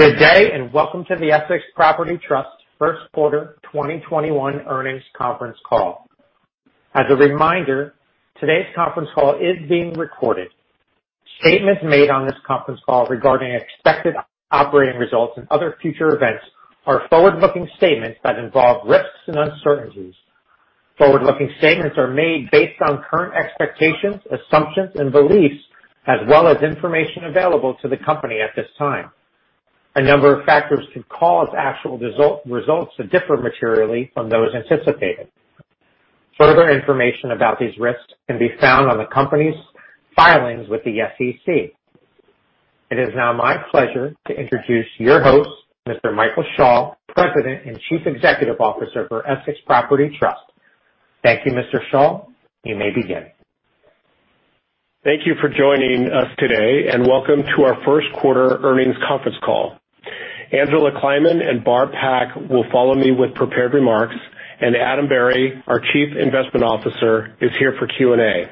Good day, and welcome to the Essex Property Trust First Quarter 2021 Earnings Conference Call. As a reminder, today's conference call is being recorded. Statements made on this conference call regarding expected operating results and other future events are forward-looking statements that involve risks and uncertainties. Forward-looking statements are made based on current expectations, assumptions, and beliefs, as well as information available to the company at this time. A number of factors could cause actual results to differ materially from those anticipated. Further information about these risks can be found on the company's filings with the SEC. It is now my pleasure to introduce your host, Mr. Michael Schall, President and Chief Executive Officer for Essex Property Trust. Thank you, Mr. Schall. You may begin. Thank you for joining us today, and welcome to our first quarter earnings conference call. Angela Kleiman and Barb Pak will follow me with prepared remarks, and Adam Berry, our Chief Investment Officer, is here for Q&A.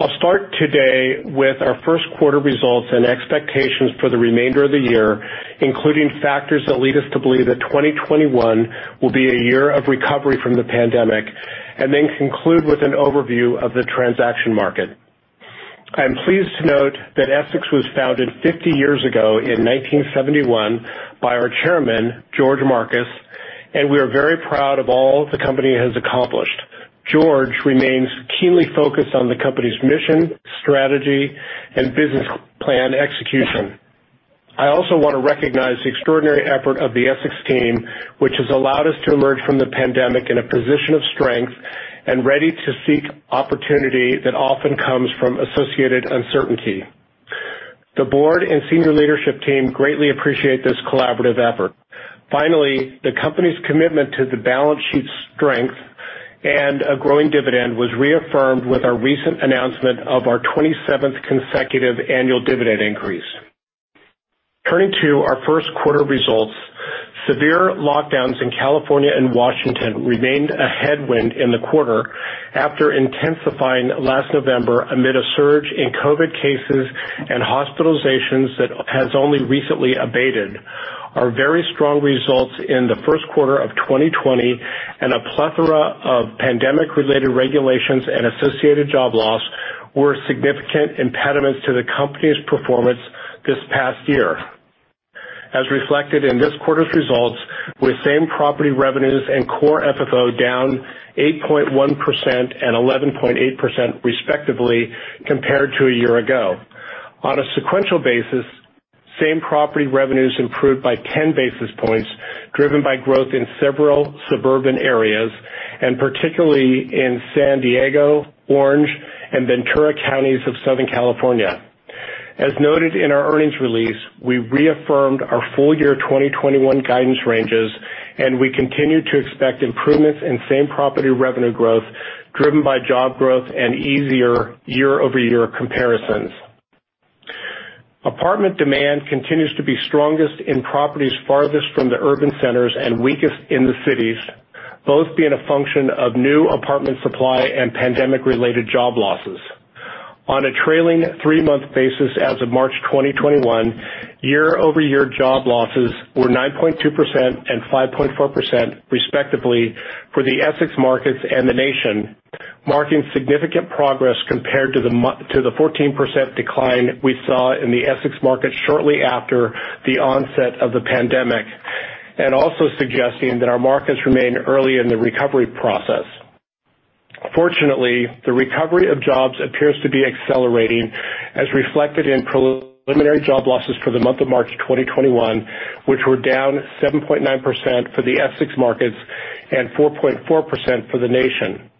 I'll start today with our first quarter results and expectations for the remainder of the year, including factors that lead us to believe that 2021 will be a year of recovery from the pandemic, and then conclude with an overview of the transaction market. I am pleased to note that Essex was founded 50 years ago in 1971 by our Chairman, George Marcus, and we are very proud of all the company has accomplished. George remains keenly focused on the company's mission, strategy, and business plan execution. I also want to recognize the extraordinary effort of the Essex team, which has allowed us to emerge from the pandemic in a position of strength and ready to seek opportunity that often comes from associated uncertainty. The board and senior leadership team greatly appreciate this collaborative effort. Finally, the company's commitment to the balance sheet strength and a growing dividend was reaffirmed with our recent announcement of our 27th consecutive annual dividend increase. Turning to our first quarter results, severe lockdowns in California and Washington remained a headwind in the quarter after intensifying last November amid a surge in COVID-19 cases and hospitalizations that has only recently abated. Our very strong results in the first quarter of 2020 and a plethora of pandemic-related regulations and associated job loss were significant impediments to the company's performance this past year, as reflected in this quarter's results, with same-property revenues and Core FFO down 8.1% and 11.8% respectively compared to a year ago. On a sequential basis, same-property revenues improved by 10 basis points, driven by growth in several suburban areas, and particularly in San Diego, Orange, and Ventura counties of Southern California. As noted in our earnings release, we reaffirmed our full year 2021 guidance ranges, and we continue to expect improvements in same-property revenue growth driven by job growth and easier year-over-year comparisons. Apartment demand continues to be strongest in properties farthest from the urban centers and weakest in the cities, both being a function of new apartment supply and pandemic-related job losses. On a trailing three-month basis as of March 2021, year-over-year job losses were 9.2% and 5.4% respectively for the Essex markets and the nation, marking significant progress compared to the 14% decline we saw in the Essex market shortly after the onset of the pandemic, and also suggesting that our markets remain early in the recovery process. Fortunately, the recovery of jobs appears to be accelerating, as reflected in preliminary job losses for the month of March 2021, which were down 7.9% for the Essex markets and 4.4% for the nation.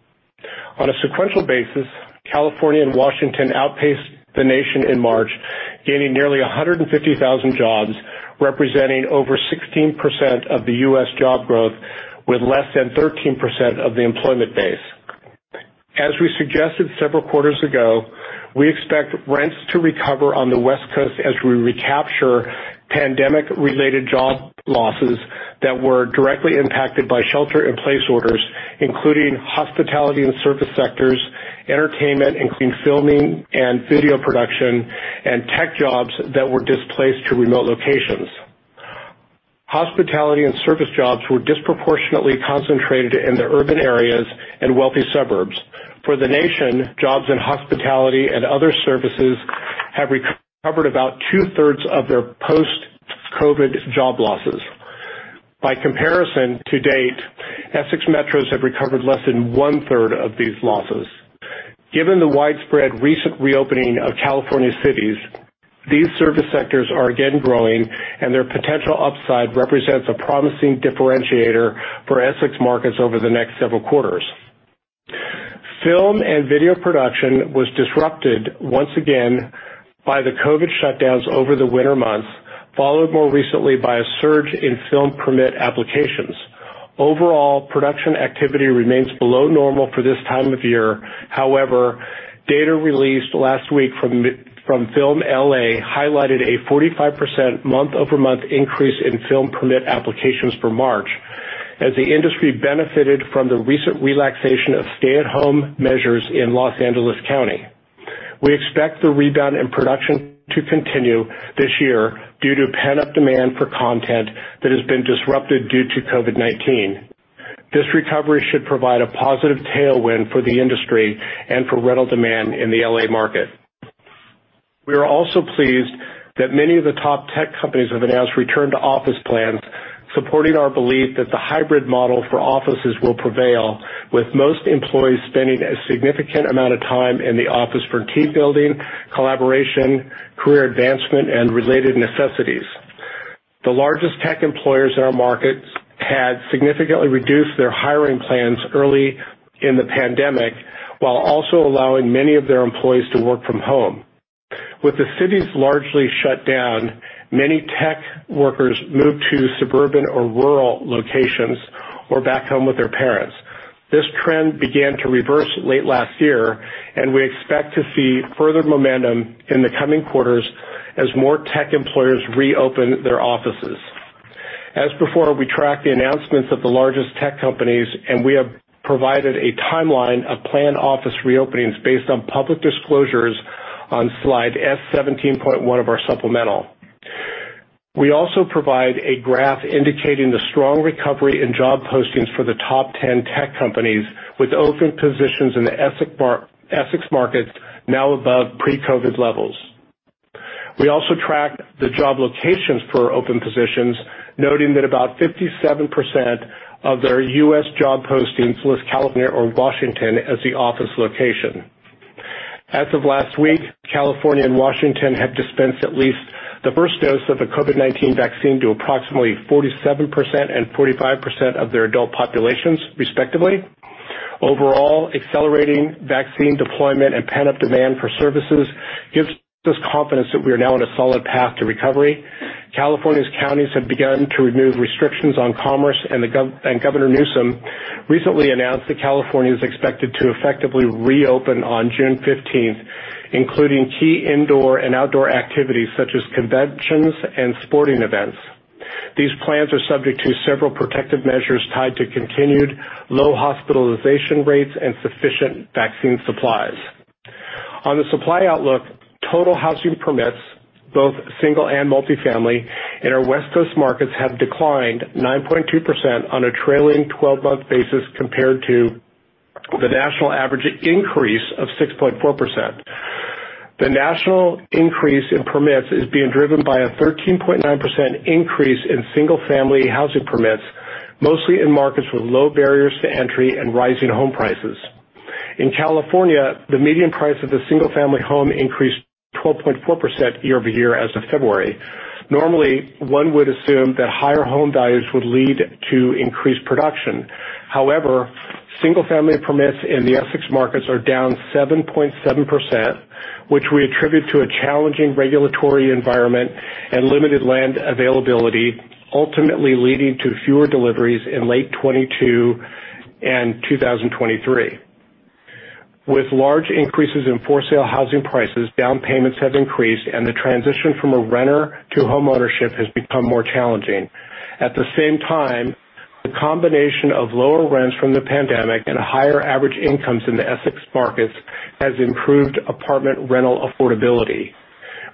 On a sequential basis, California and Washington outpaced the nation in March, gaining nearly 150,000 jobs, representing over 16% of the U.S. job growth with less than 13% of the employment base. As we suggested several quarters ago, we expect rents to recover on the West Coast as we recapture pandemic-related job losses that were directly impacted by shelter-in-place orders, including hospitality and service sectors, entertainment, including filming and video production, and tech jobs that were displaced to remote locations. Hospitality and service jobs were disproportionately concentrated in the urban areas and wealthy suburbs. For the nation, jobs in hospitality and other services have recovered about two-thirds of their post-COVID job losses. By comparison, to date, Essex metros have recovered less than one-third of these losses. Given the widespread recent reopening of California cities, these service sectors are again growing, and their potential upside represents a promising differentiator for Essex markets over the next several quarters. Film and video production was disrupted once again by the COVID shutdowns over the winter months, followed more recently by a surge in film permit applications. Overall, production activity remains below normal for this time of year. However, data released last week from FilmLA highlighted a 45% month-over-month increase in film permit applications for March as the industry benefited from the recent relaxation of stay-at-home measures in Los Angeles County. We expect the rebound in production to continue this year due to pent-up demand for content that has been disrupted due to COVID-19. This recovery should provide a positive tailwind for the industry and for rental demand in the L.A. market. We are also pleased that many of the top tech companies have announced return-to-office plans, supporting our belief that the hybrid model for offices will prevail, with most employees spending a significant amount of time in the office for team building, collaboration, career advancement, and related necessities. The largest tech employers in our markets had significantly reduced their hiring plans early in the pandemic, while also allowing many of their employees to work from home. With the cities largely shut down, many tech workers moved to suburban or rural locations or back home with their parents. This trend began to reverse late last year, and we expect to see further momentum in the coming quarters as more tech employers reopen their offices. As before, we track the announcements of the largest tech companies, and we have provided a timeline of planned office reopenings based on public disclosures on slide S17.1 of our supplemental. We also provide a graph indicating the strong recovery in job postings for the top 10 tech companies with open positions in the Essex markets now above pre-COVID levels. We also tracked the job locations for open positions, noting that about 57% of their U.S. job postings list California or Washington as the office location. As of last week, California and Washington have dispensed at least the first dose of the COVID-19 vaccine to approximately 47% and 45% of their adult populations, respectively. Overall, accelerating vaccine deployment and pent-up demand for services gives us confidence that we are now on a solid path to recovery. California's counties have begun to remove restrictions on commerce, and Gavin Newsom recently announced that California is expected to effectively reopen on June 15th, including key indoor and outdoor activities such as conventions and sporting events. These plans are subject to several protective measures tied to continued low hospitalization rates and sufficient vaccine supplies. On the supply outlook, total housing permits, both single and multi-family, in our West Coast markets have declined 9.2% on a trailing 12-month basis compared to the national average increase of 6.4%. The national increase in permits is being driven by a 13.9% increase in single-family housing permits, mostly in markets with low barriers to entry and rising home prices. In California, the median price of a single-family home increased 12.4% year-over-year as of February. Normally, one would assume that higher home values would lead to increased production. However, single-family permits in the Essex markets are down 7.7%, which we attribute to a challenging regulatory environment and limited land availability, ultimately leading to fewer deliveries in late 2022 and 2023. With large increases in for-sale housing prices, down payments have increased, and the transition from a renter to home ownership has become more challenging. At the same time, the combination of lower rents from the pandemic and higher average incomes in the Essex markets has improved apartment rental affordability.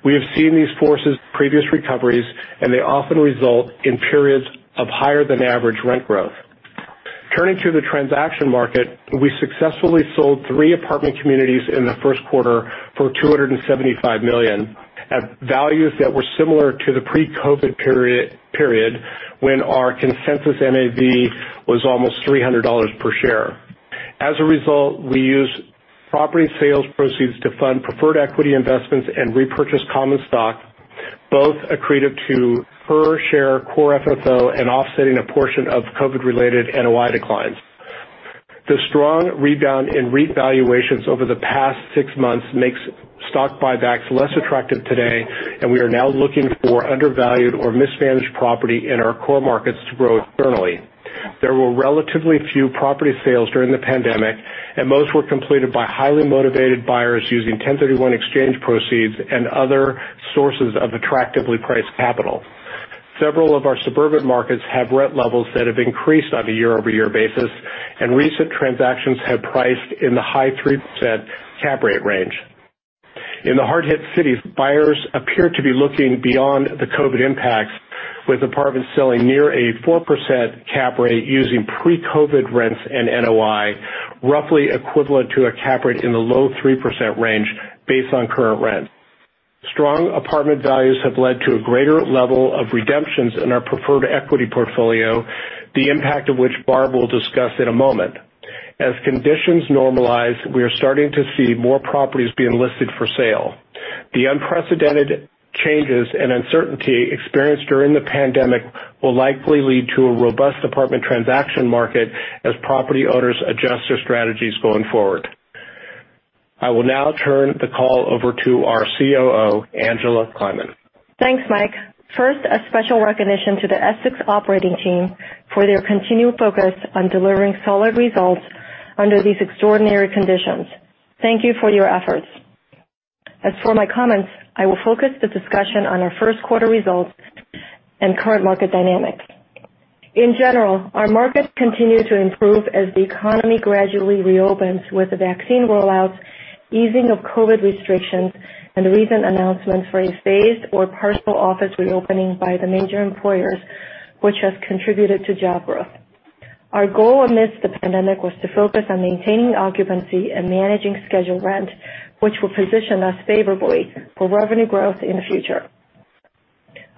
We have seen these forces in previous recoveries, and they often result in periods of higher than average rent growth. Turning to the transaction market, we successfully sold three apartment communities in the first quarter for $275 million at values that were similar to the pre-COVID period, when our consensus NAV was almost $300 per share. As a result, we used property sales proceeds to fund preferred equity investments and repurchase common stock, both accretive to per share Core FFO and offsetting a portion of COVID-related NOI declines. The strong rebound in revaluations over the past six months makes stock buybacks less attractive today, and we are now looking for undervalued or mismanaged property in our core markets to grow externally. There were relatively few property sales during the pandemic, and most were completed by highly motivated buyers using 1031 exchange proceeds and other sources of attractively priced capital. Several of our suburban markets have rent levels that have increased on a year-over-year basis, and recent transactions have priced in the high 3% cap rate range. In the hard-hit cities, buyers appear to be looking beyond the COVID impacts, with apartments selling near a 4% cap rate using pre-COVID rents and NOI, roughly equivalent to a cap rate in the low 3% range based on current rent. Strong apartment values have led to a greater level of redemptions in our preferred equity portfolio, the impact of which Barb will discuss in a moment. As conditions normalize, we are starting to see more properties being listed for sale. The unprecedented changes and uncertainty experienced during the pandemic will likely lead to a robust apartment transaction market as property owners adjust their strategies going forward. I will now turn the call over to our COO, Angela Kleiman. Thanks, Michael Schall. First, a special recognition to the Essex Property Trust operating team for their continued focus on delivering solid results under these extraordinary conditions. Thank you for your efforts. As for my comments, I will focus the discussion on our first quarter results and current market dynamics. In general, our markets continue to improve as the economy gradually reopens with the vaccine rollouts, easing of COVID-19 restrictions, and recent announcements for a phased or partial office reopening by the major employers, which has contributed to job growth. Our goal amidst the pandemic was to focus on maintaining occupancy and managing scheduled rent, which will position us favorably for revenue growth in the future.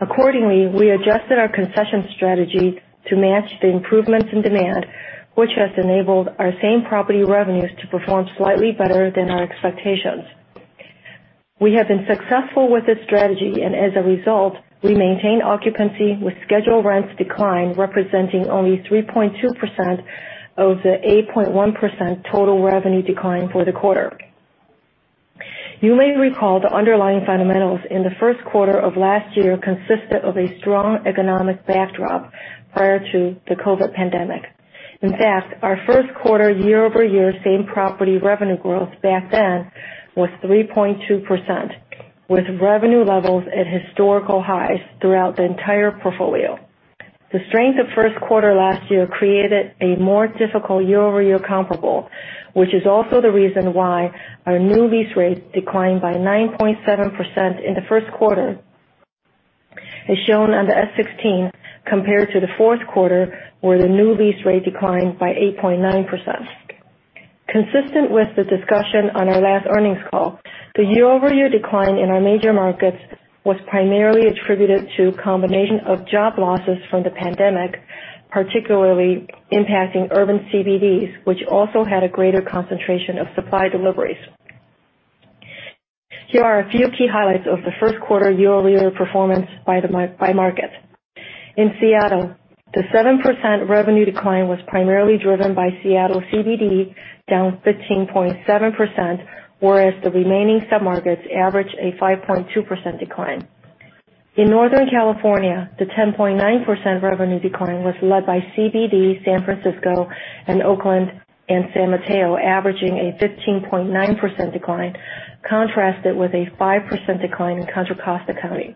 Accordingly, we adjusted our concession strategy to match the improvements in demand, which has enabled our same property revenues to perform slightly better than our expectations. We have been successful with this strategy. As a result, we maintain occupancy with scheduled rents decline, representing only 3.2% of the 8.1% total revenue decline for the quarter. You may recall the underlying fundamentals in the first quarter of last year consisted of a strong economic backdrop prior to the COVID-19 pandemic. In fact, our first quarter year-over-year same-property revenue growth back then was 3.2%, with revenue levels at historical highs throughout the entire portfolio. The strength of first quarter last year created a more difficult year-over-year comparable, which is also the reason why our new lease rate declined by 9.7% in the first quarter, as shown on the S16 compared to the fourth quarter, where the new lease rate declined by 8.9%. Consistent with the discussion on our last earnings call, the year-over-year decline in our major markets was primarily attributed to a combination of job losses from the pandemic, particularly impacting urban CBDs, which also had a greater concentration of supply deliveries. Here are a few key highlights of the first quarter year-over-year performance by market. In Seattle, the 7% revenue decline was primarily driven by Seattle CBD, down 15.7%, whereas the remaining sub-markets average a 5.2% decline. In Northern California, the 10.9% revenue decline was led by CBD San Francisco and Oakland and San Mateo, averaging a 15.9% decline, contrasted with a 5% decline in Contra Costa County.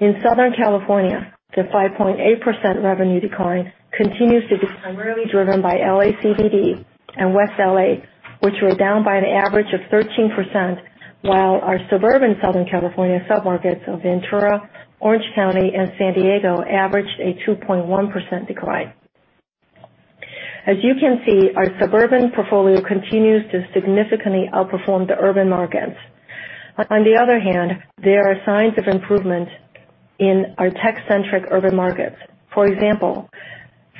In Southern California, the 5.8% revenue decline continues to be primarily driven by L.A. CBD and West L.A., which were down by an average of 13%, while our suburban Southern California submarkets of Ventura, Orange County, and San Diego averaged a 2.1% decline. As you can see, our suburban portfolio continues to significantly outperform the urban markets. On the other hand, there are signs of improvement in our tech-centric urban markets. For example,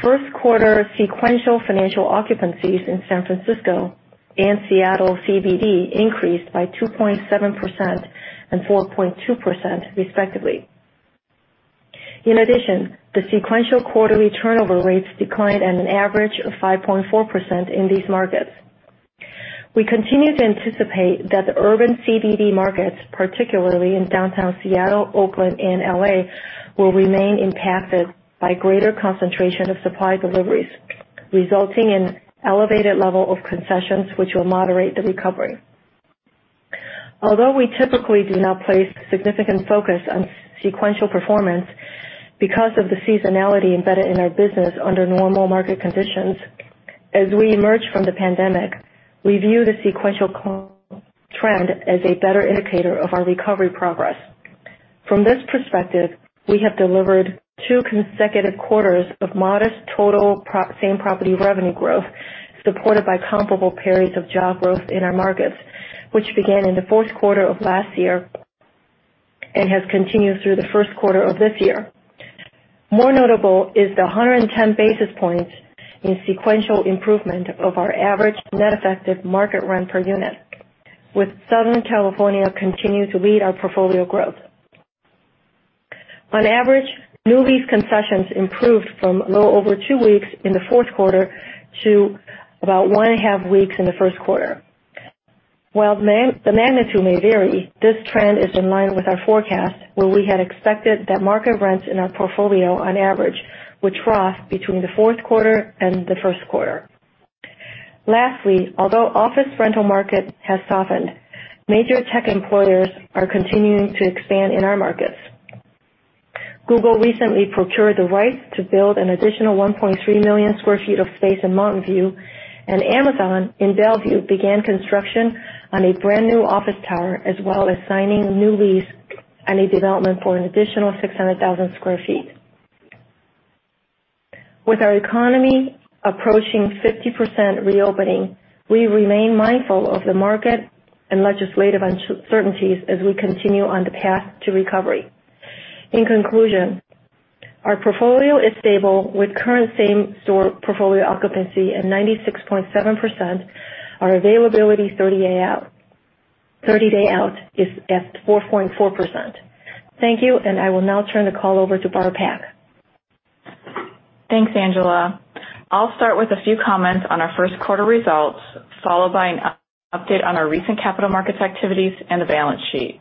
first quarter sequential financial occupancies in San Francisco and Seattle CBD increased by 2.7% and 4.2% respectively. In addition, the sequential quarterly turnover rates declined at an average of 5.4% in these markets. We continue to anticipate that the urban CBD markets, particularly in downtown Seattle, Oakland, and L.A., will remain impacted by greater concentration of supply deliveries, resulting in elevated level of concessions which will moderate the recovery. Although we typically do not place significant focus on sequential performance because of the seasonality embedded in our business under normal market conditions, as we emerge from the pandemic, we view the sequential trend as a better indicator of our recovery progress. From this perspective, we have delivered two consecutive quarters of modest total same-property revenue growth, supported by comparable periods of job growth in our markets, which began in the fourth quarter of last year and has continued through the first quarter of this year. More notable is the 110 basis points in sequential improvement of our average net effective market rent per unit, with Southern California continuing to lead our portfolio growth. On average, new lease concessions improved from a little over two weeks in the fourth quarter to about one and a half weeks in the first quarter. While the magnitude may vary, this trend is in line with our forecast, where we had expected that market rents in our portfolio on average would cross between the fourth quarter and the first quarter. Although office rental market has softened, major tech employers are continuing to expand in our markets. Google recently procured the right to build an additional 1.3 million sq ft of space in Mountain View, and Amazon in Bellevue began construction on a brand-new office tower, as well as signing a new lease on a development for an additional 600,000 sq ft. With our economy approaching 50% reopening, we remain mindful of the market and legislative uncertainties as we continue on the path to recovery. Our portfolio is stable with current same-store portfolio occupancy at 96.7%. Our availability 30-day out is at 4.4%. Thank you, and I will now turn the call over to Barb Pak. Thanks, Angela. I'll start with a few comments on our first quarter results, followed by an update on our recent capital markets activities and the balance sheet.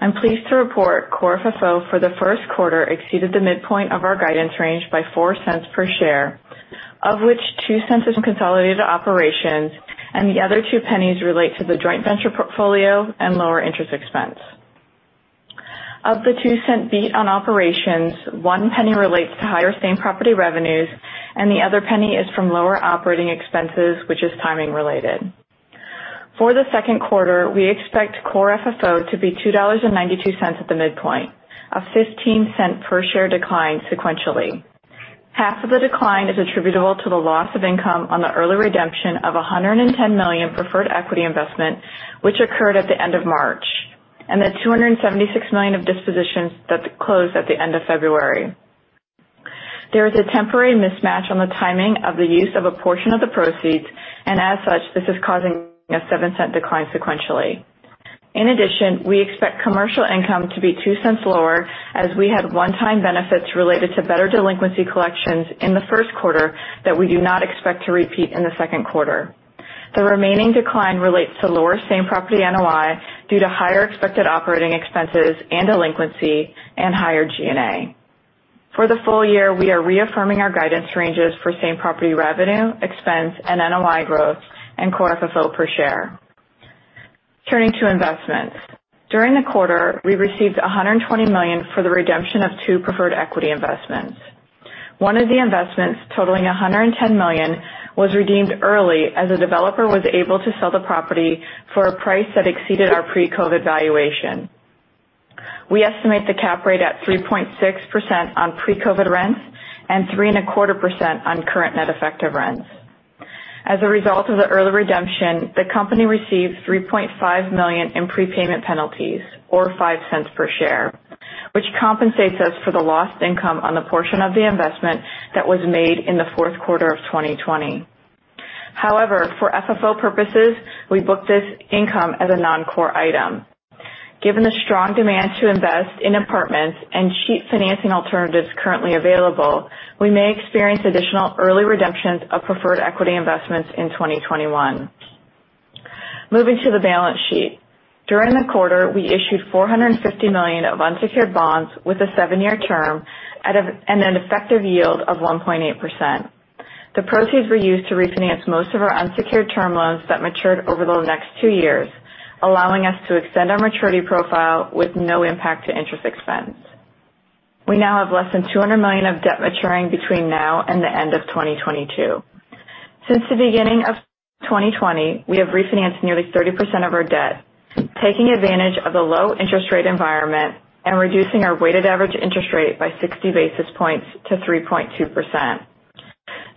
I'm pleased to report Core FFO for the first quarter exceeded the midpoint of our guidance range by $0.04 per share, of which $0.02 is from consolidated operations and the other $0.02 relate to the joint venture portfolio and lower interest expense. Of the $0.02 beat on operations, $0.01 relates to higher same-property revenue and the other $0.01 is from lower operating expenses, which is timing related. For the second quarter, we expect Core FFO to be $2.92 at the midpoint of $0.15 per share decline sequentially. Half of the decline is attributable to the loss of income on the early redemption of $110 million preferred equity investment, which occurred at the end of March, and the $276 million of dispositions that closed at the end of February. As such, this is causing a $0.07 decline sequentially. In addition, we expect commercial income to be $0.02 lower as we had one-time benefits related to better delinquency collections in the first quarter that we do not expect to repeat in the second quarter. The remaining decline relates to lower same-property NOI due to higher expected operating expenses and delinquency and higher G&A. For the full year, we are reaffirming our guidance ranges for same-property revenue, expense, and NOI growth and Core FFO per share. Turning to investments. During the quarter, we received $120 million for the redemption of two preferred equity investments. One of the investments, totaling $110 million, was redeemed early as the developer was able to sell the property for a price that exceeded our pre-COVID valuation. We estimate the cap rate at 3.6% on pre-COVID rents and 3.25% on current net effective rents. As a result of the early redemption, the company received $3.5 million in prepayment penalties, or $0.05 per share, which compensates us for the lost income on the portion of the investment that was made in the fourth quarter of 2020. However, for FFO purposes, we book this income as a non-core item. Given the strong demand to invest in apartments and cheap financing alternatives currently available, we may experience additional early redemptions of preferred equity investments in 2021. Moving to the balance sheet. During the quarter, we issued $450 million of unsecured bonds with a seven-year term at an effective yield of 1.8%. The proceeds were used to refinance most of our unsecured term loans that matured over the next two years, allowing us to extend our maturity profile with no impact to interest expense. We now have less than $200 million of debt maturing between now and the end of 2022. Since the beginning of 2020, we have refinanced nearly 30% of our debt, taking advantage of the low interest rate environment and reducing our weighted average interest rate by 60 basis points to 3.2%.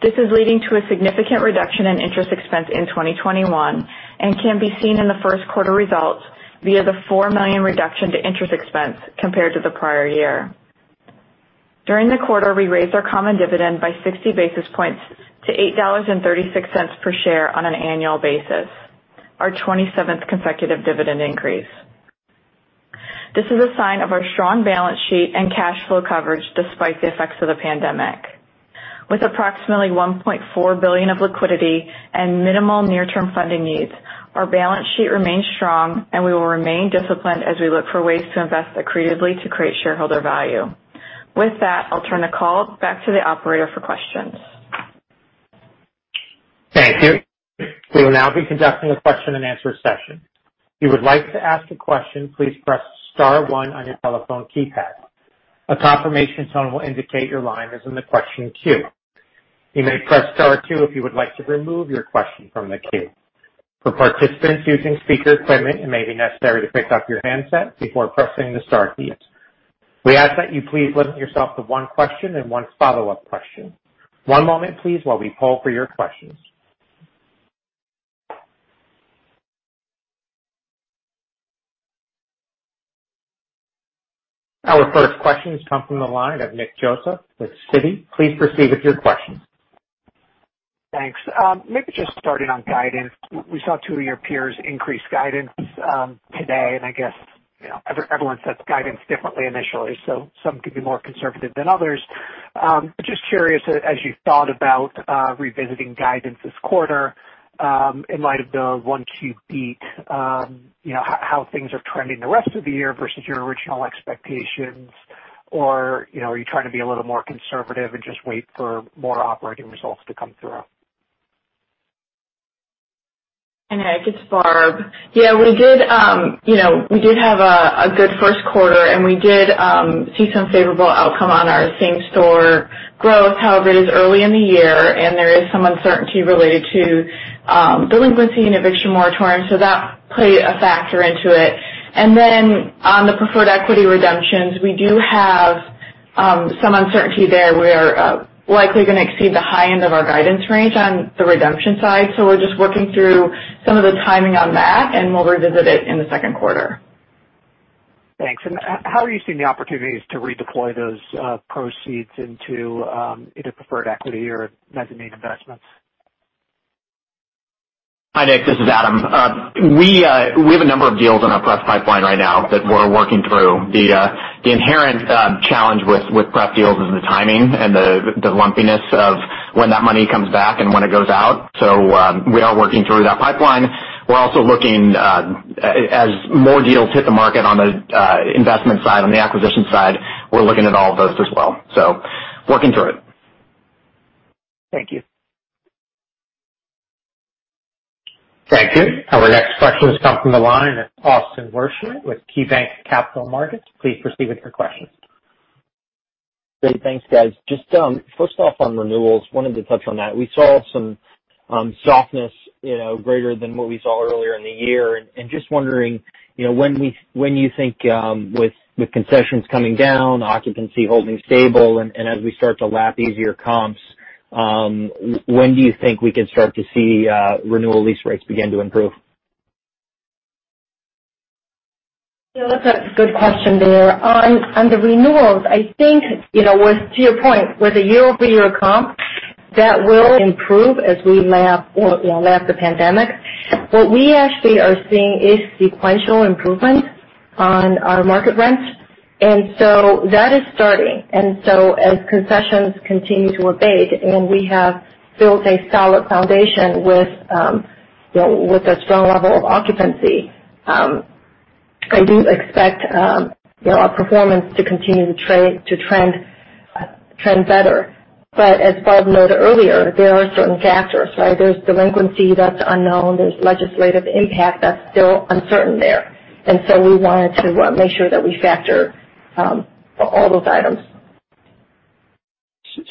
This is leading to a significant reduction in interest expense in 2021 and can be seen in the first quarter results via the $4 million reduction to interest expense compared to the prior year. During the quarter, we raised our common dividend by 60 basis points to $8.36 per share on an annual basis, our 27th consecutive dividend increase. This is a sign of our strong balance sheet and cash flow coverage despite the effects of the pandemic. With approximately $1.4 billion of liquidity and minimal near-term funding needs, our balance sheet remains strong, and we will remain disciplined as we look for ways to invest accretively to create shareholder value. With that, I'll turn the call back to the operator for questions. Thank you. We will now be conducting a question and answer session. If you would like to ask a question, please press star one on your telephone keypad. A confirmation tone will indicate your line is in the question queue. You may press star two if you would like to remove your question from the queue. For participants using speaker equipment, it may be necessary to pick up your handset before pressing the star keys. We ask that you please limit yourself to one question and one follow-up question. One moment, please, while we poll for your questions. Our first questions come from the line of Nick Joseph with Citi. Please proceed with your questi ons. Thanks. Maybe just starting on guidance. We saw two of your peers increase guidance today, and I guess everyone sets guidance differently initially, so some could be more conservative than others. Just curious, as you thought about revisiting guidance this quarter in light of the Q1 beat, how things are trending the rest of the year versus your original expectations, or are you trying to be a little more conservative and just wait for more operating results to come through? Hey, Nick, it's Barb. Yeah, we did have a good first quarter, and we did see some favorable outcome on our same-store growth. However, it is early in the year, and there is some uncertainty related to delinquency and eviction moratoriums, so that played a factor into it. On the preferred equity redemptions, we do have some uncertainty there. We are likely going to exceed the high end of our guidance range on the redemption side. We're just working through some of the timing on that, and we'll revisit it in the second quarter. Thanks. How are you seeing the opportunities to redeploy those proceeds into either preferred equity or mezzanine investments? Hi, Nick. This is Adam. We have a number of deals in our pref pipeline right now that we're working through. The inherent challenge with pref deals is the timing and the lumpiness of when that money comes back and when it goes out. We are working through that pipeline. We're also looking as more deals hit the market on the investment side, on the acquisition side, we're looking at all of those as well. Working through it. Thank you. Thank you. Our next question has come from the line of Austin Wurschmidt with KeyBanc Capital Markets. Please proceed with your question. Great. Thanks, guys. Just first off, on renewals, wanted to touch on that. We saw some softness greater than what we saw earlier in the year, and just wondering when you think, with concessions coming down, occupancy holding stable, and as we start to lap easier comps, when do you think we could start to see renewal lease rates begin to improve? Yeah, that's a good question there. On the renewals, I think to your point, with a year-over-year comp, that will improve as we lap the pandemic. What we actually are seeing is sequential improvement on our market rents. That is starting. As concessions continue to abate and we have built a solid foundation with a strong level of occupancy, I do expect our performance to continue to trend better. As Barb noted earlier, there are certain factors, right? There's delinquency that's unknown. There's legislative impact that's still uncertain there. We wanted to make sure that we factor all those items.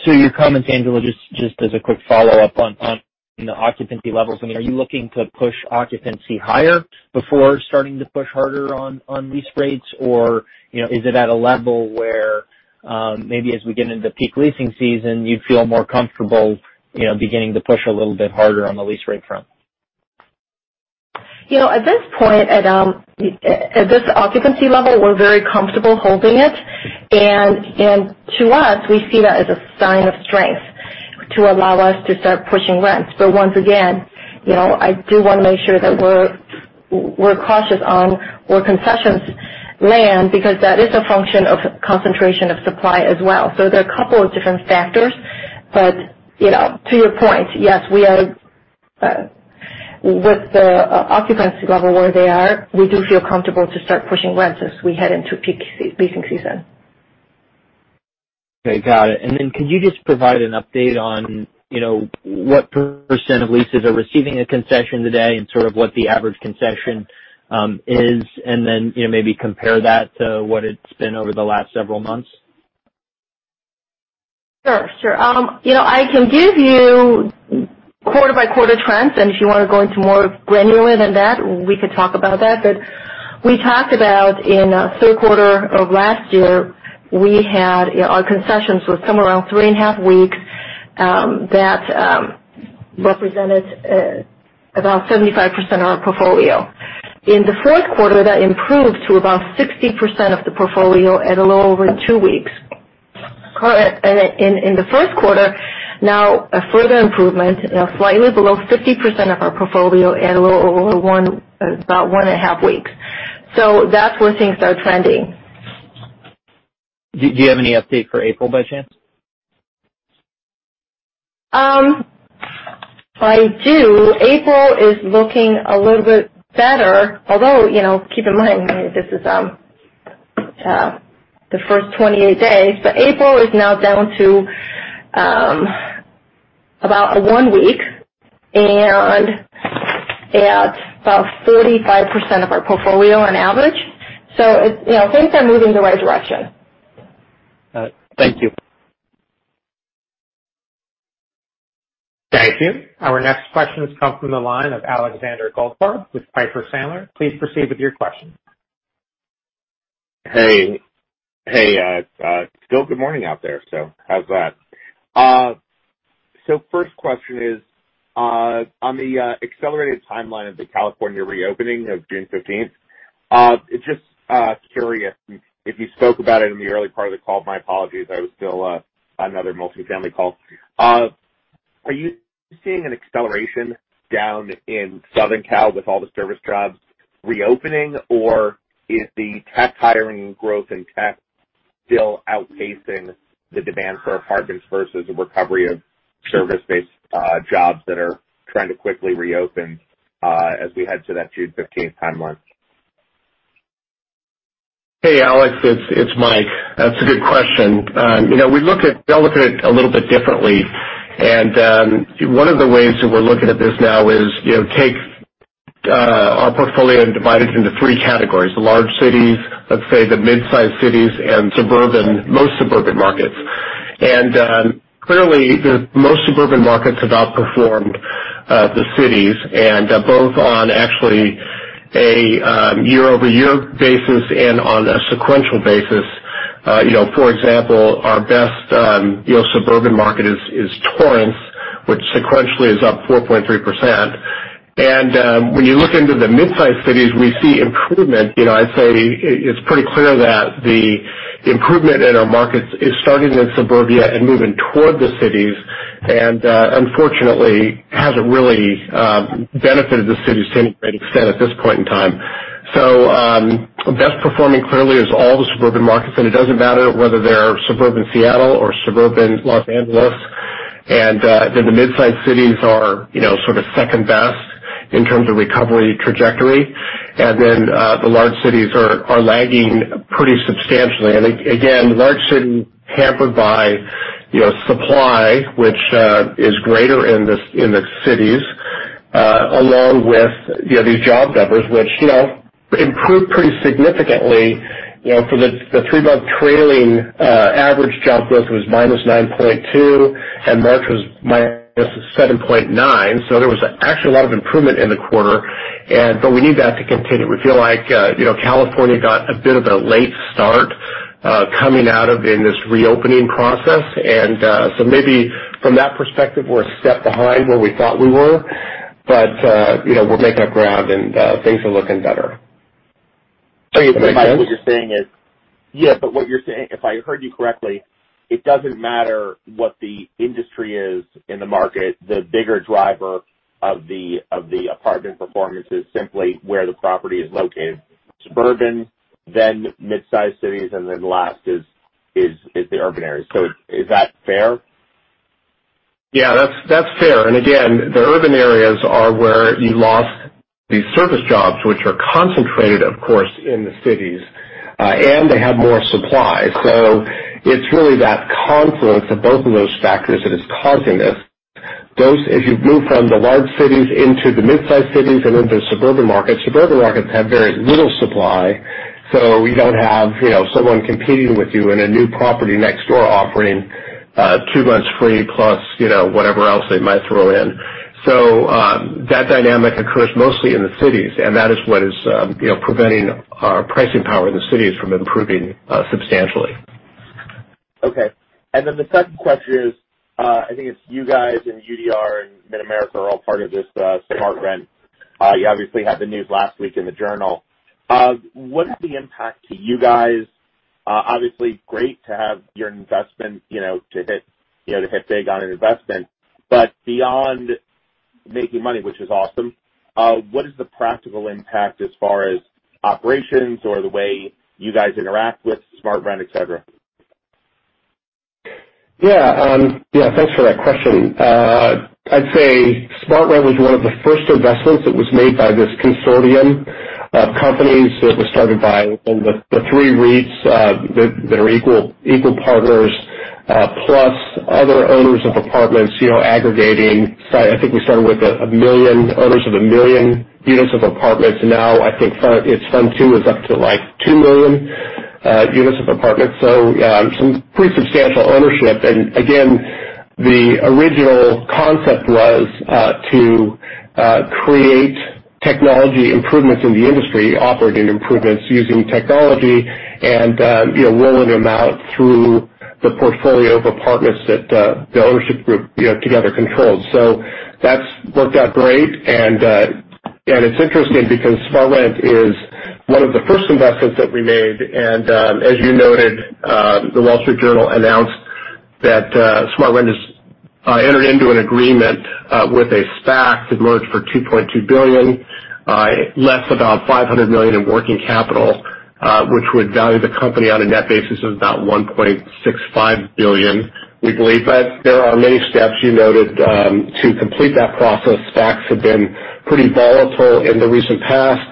Your comments, Angela, just as a quick follow-up on the occupancy levels. Are you looking to push occupancy higher before starting to push harder on lease rates? Or is it at a level where maybe as we get into peak leasing season, you feel more comfortable beginning to push a little bit harder on the lease rate front? At this point, at this occupancy level, we're very comfortable holding it. To us, we see that as a sign of strength to allow us to start pushing rents. Once again, I do want to make sure that we're cautious on where concessions land because that is a function of concentration of supply as well. There are a couple of different factors. To your point, yes, with the occupancy level where they are, we do feel comfortable to start pushing rents as we head into peak leasing season. Okay. Got it. Could you just provide an update on what % of leases are receiving a concession today and sort of what the average concession is, and then maybe compare that to what it's been over the last several months? Sure. I can give you quarter-by-quarter trends, and if you want to go into more granular than that, we could talk about that. We talked about in third quarter of last year, our concessions were somewhere around three and a half weeks. That represented about 75% of our portfolio. In the fourth quarter, that improved to about 60% of the portfolio at a little over two weeks. In the first quarter, now a further improvement, slightly below 50% of our portfolio at a little over about one and a half weeks. That's where things are trending. Do you have any update for April by chance? I do. April is looking a little bit better, although, keep in mind, this is the first 28 days. April is now down to about one week and at about 45% of our portfolio on average. Things are moving in the right direction. All right. Thank you. Thank you. Our next question comes from the line of Alexander Goldfarb with Piper Sandler. Please proceed with your question. Hey. It's still good morning out there, so how's that? First question is on the accelerated timeline of the California reopening of June 15th. Just curious, if you spoke about it in the early part of the call, my apologies, I was still on another multifamily call. Are you seeing an acceleration down in Southern Cal with all the service jobs reopening, or is the tech hiring growth in tech still outpacing the demand for apartments versus a recovery of service-based jobs that are trying to quickly reopen as we head to that June 15th timeline? Hey, Alex, it's Mike. That's a good question. We all look at it a little bit differently. One of the ways that we're looking at this now is take our portfolio and divide it into three categories, the large cities, let's say the mid-sized cities, and most suburban markets. Clearly, the most suburban markets have outperformed the cities and both on actually a year-over-year basis and on a sequential basis. For example, our best suburban market is Torrance, which sequentially is up 4.3%. When you look into the mid-sized cities, we see improvement. I'd say it's pretty clear that the improvement in our markets is starting in suburbia and moving toward the cities, and unfortunately, hasn't really benefited the cities to any great extent at this point in time. Best performing clearly is all the suburban markets, and it doesn't matter whether they're suburban Seattle or suburban L.A. Then the mid-sized cities are sort of second best in terms of recovery trajectory. The large cities are lagging pretty substantially. Again, large cities hampered by supply, which is greater in the cities, along with these job numbers, which improved pretty significantly. For the three-month trailing average, job growth was -9.2, and March was -7.9. There was actually a lot of improvement in the quarter, but we need that to continue. We feel like California got a bit of a late start coming out of this reopening process. Maybe from that perspective, we're a step behind where we thought we were. We're making up ground, and things are looking better. Does that make sense? Yeah. What you're saying, if I heard you correctly, it doesn't matter what the industry is in the market. The bigger driver of the apartment performance is simply where the property is located, suburban, then mid-sized cities, and then last is the urban areas. Is that fair? Yeah, that's fair. Again, the urban areas are where you lost these service jobs, which are concentrated, of course, in the cities. They have more supply. It's really that confluence of both of those factors that is causing this. As you move from the large cities into the mid-sized cities and into suburban markets, suburban markets have very little supply, so you don't have someone competing with you in a new property next door offering two months free plus whatever else they might throw in. That dynamic occurs mostly in the cities, and that is what is preventing our pricing power in the cities from improving substantially. Okay. The second question is I think it's you guys and UDR and Mid-America are all part of this SmartRent. You obviously had the news last week in the Journal. What is the impact to you guys? Obviously great to have your investment to hit big on an investment. Beyond making money, which is awesome, what is the practical impact as far as operations or the way you guys interact with SmartRent, et cetera? Yeah. Thanks for that question. I'd say SmartRent was one of the first investments that was made by this consortium of companies that was started by the three REITs that are equal partners, plus other owners of apartments aggregating. I think we started with owners of 1 million units of apartments. Now I think its Fund two is up to like 2 million units of apartments. Some pretty substantial ownership. Again, the original concept was to create technology improvements in the industry, operating improvements using technology and rolling them out through the portfolio of apartments that the ownership group together controls. That's worked out great. It's interesting because SmartRent is one of the first investments that we made. As you noted, The Wall Street Journal announced that SmartRent has entered into an agreement with a SPAC to merge for $2.2 billion, less about $500 million in working capital, which would value the company on a net basis of about $1.65 billion, we believe. There are many steps you noted to complete that process. SPACs have been pretty volatile in the recent past,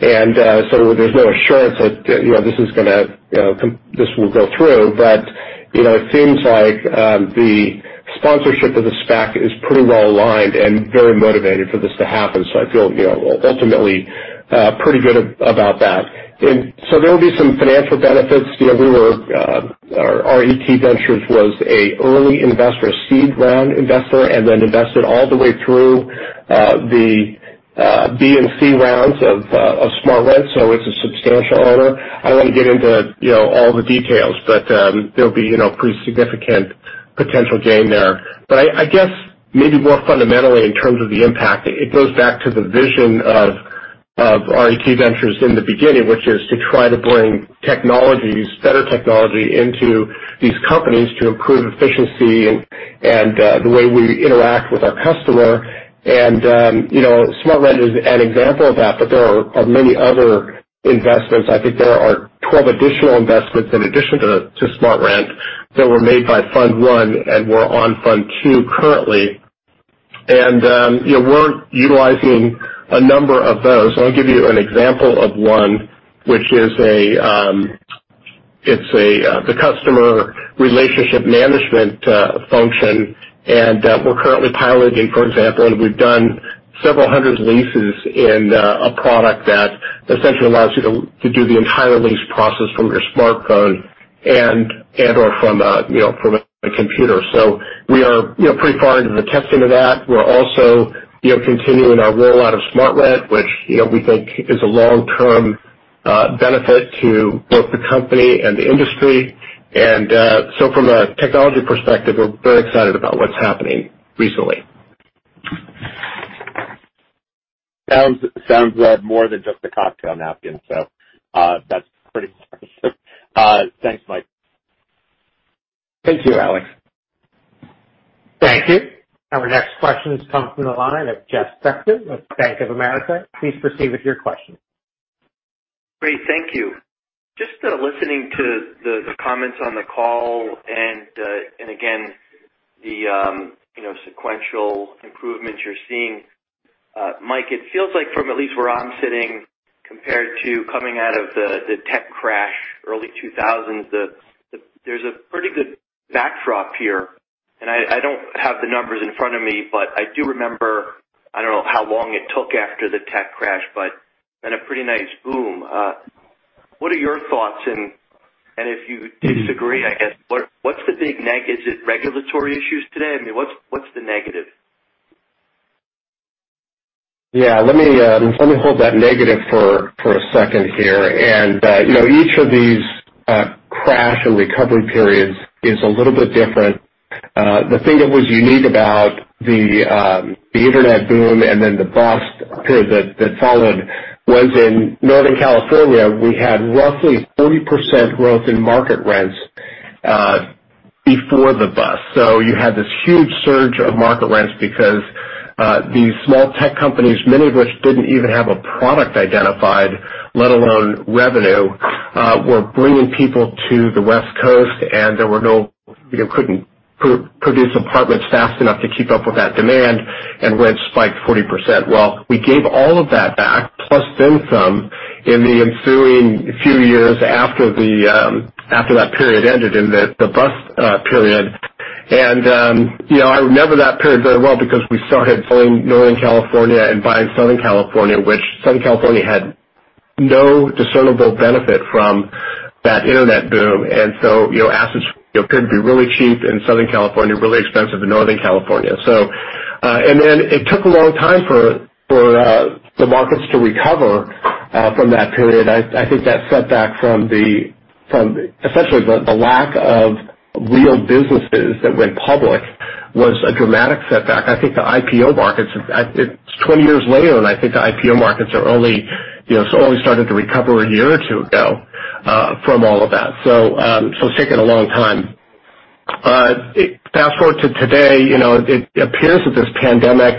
there's no assurance that this will go through. It seems like the sponsorship of the SPAC is pretty well aligned and very motivated for this to happen. I feel ultimately pretty good about that. There will be some financial benefits. Our RET Ventures was a early investor, a seed round investor, and then invested all the way through the B and C rounds of SmartRent. It's a substantial owner. I don't want to get into all the details, but there'll be pretty significant potential gain there. I guess maybe more fundamentally in terms of the impact, it goes back to the vision of RET Ventures in the beginning, which is to try to bring better technology into these companies to improve efficiency and the way we interact with our customer. SmartRent is an example of that, but there are many other investments. I think there are 12 additional investments in addition to SmartRent that were made by Fund one and we're on Fund two currently. We're utilizing a number of those. I'll give you an example of one, which is the customer relationship management function. We're currently piloting, for example, and we've done several hundred leases in a product that essentially allows you to do the entire lease process from your smartphone and/or from a computer. We are pretty far into the testing of that. We're also continuing our rollout of SmartRent, which we think is a long-term benefit to both the company and the industry. From a technology perspective, we're very excited about what's happening recently. Sounds more than just a cocktail napkin. That's pretty impressive. Thanks, Mike. Thank you, Alex. Thank you. Our next question comes from the line of Jeff Spector with Bank of America. Please proceed with your question. Great. Thank you. Just listening to the comments on the call and again, the sequential improvements you're seeing, Mike, it feels like from at least where I'm sitting, compared to coming out of the tech crash early 2000s, there's a pretty good backdrop here. I don't have the numbers in front of me, but I do remember, I don't know how long it took after the tech crash, but then a pretty nice boom. What are your thoughts? If you disagree, I guess, what's the big neg? Is it regulatory issues today? I mean, what's the negative? Yeah. Let me hold that negative for a second here. Each of these crash and recovery periods is a little bit different. The thing that was unique about the internet boom and then the bust period that followed was in Northern California, we had roughly 40% growth in market rents before the bust. You had this huge surge of market rents because these small tech companies, many of which didn't even have a product identified, let alone revenue, were bringing people to the West Coast, and we couldn't produce apartments fast enough to keep up with that demand, and rents spiked 40%. Well, we gave all of that back, plus then some, in the ensuing few years after that period ended in the bust period. I remember that period very well because we started selling Northern California and buying Southern California, which Southern California had no discernible benefit from that internet boom. Assets could be really cheap in Southern California, really expensive in Northern California. It took a long time for the markets to recover from that period. I think that setback from essentially the lack of real businesses that went public was a dramatic setback. It's 20 years later, and I think the IPO markets only started to recover a year or two ago from all of that. It's taken a long time. Fast-forward to today, it appears that this pandemic,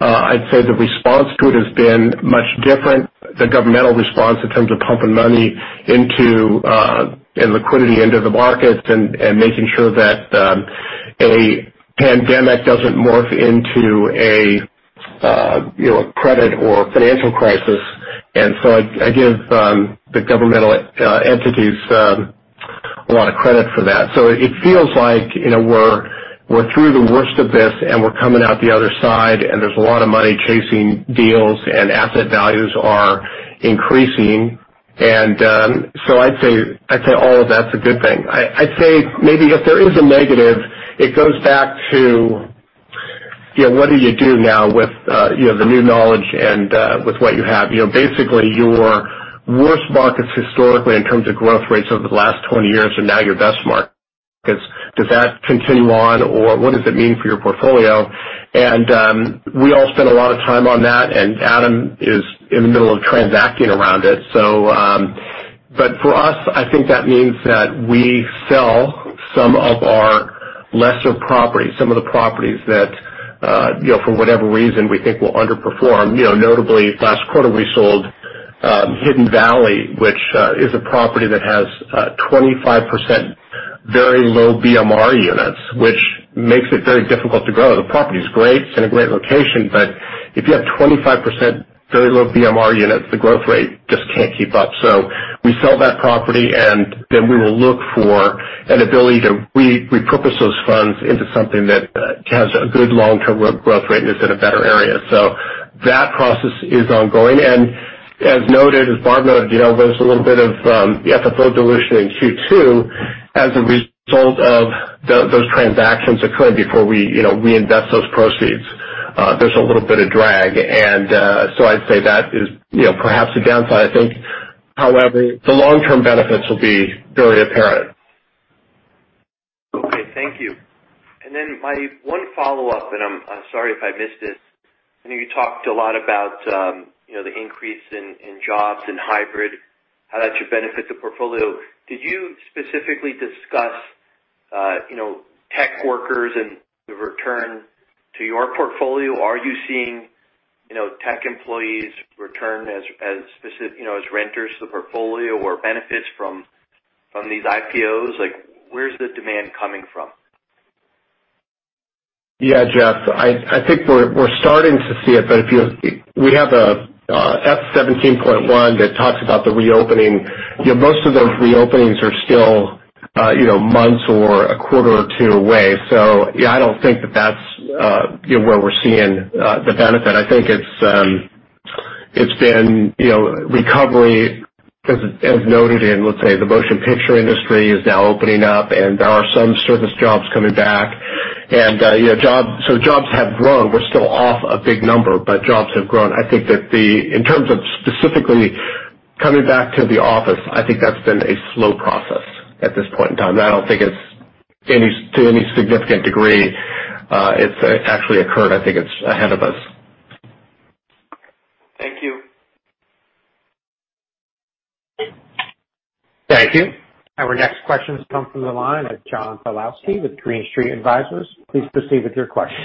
I'd say the response to it has been much different. The governmental response in terms of pumping money and liquidity into the markets and making sure that a pandemic doesn't morph into a credit or financial crisis. I give the governmental entities a lot of credit for that. It feels like we're through the worst of this, and we're coming out the other side, and there's a lot of money chasing deals, and asset values are increasing. I'd say all of that's a good thing. I'd say maybe if there is a negative, it goes back to what do you do now with the new knowledge and with what you have? Basically, your worst markets historically in terms of growth rates over the last 20 years are now your best markets. Does that continue on, or what does it mean for your portfolio? We all spend a lot of time on that, and Adam is in the middle of transacting around it. For us, I think that means that we sell some of our lesser properties, some of the properties that, for whatever reason, we think will underperform. Notably, last quarter, we sold Hidden Valley, which is a property that has 25% very low BMR units, which makes it very difficult to grow. The property is great. It's in a great location, but if you have 25% very low BMR units, the growth rate just can't keep up. We sell that property, and then we will look for an ability to repurpose those funds into something that has a good long-term growth rate and is in a better area. That process is ongoing. As Barb noted, there's a little bit of FFO dilution in Q2 as a result of those transactions occurring before we invest those proceeds. There's a little bit of drag. I'd say that is perhaps a downside. I think, however, the long-term benefits will be very apparent. Okay. Thank you. My one follow-up, and I'm sorry if I missed this. I know you talked a lot about the increase in jobs and hybrid, how that should benefit the portfolio. Did you specifically discuss tech workers and the return to your portfolio? Are you seeing tech employees return as renters to the portfolio or benefits from these IPOs? Where's the demand coming from? Yeah, Jeff. I think we're starting to see it. We have F17.1 that talks about the reopening. Most of those reopenings are still months or a quarter or two away. Yeah, I don't think that's where we're seeing the benefit. I think it's been recovery, as noted in, let's say, the motion picture industry is now opening up, and there are some service jobs coming back. Jobs have grown. We're still off a big number, but jobs have grown. I think that in terms of specifically coming back to the office, I think that's been a slow process at this point in time, and I don't think to any significant degree it's actually occurred. I think it's ahead of us. Thank you. Thank you. Our next question comes from the line with John Pawlowski with Green Street Advisors. Please proceed with your question.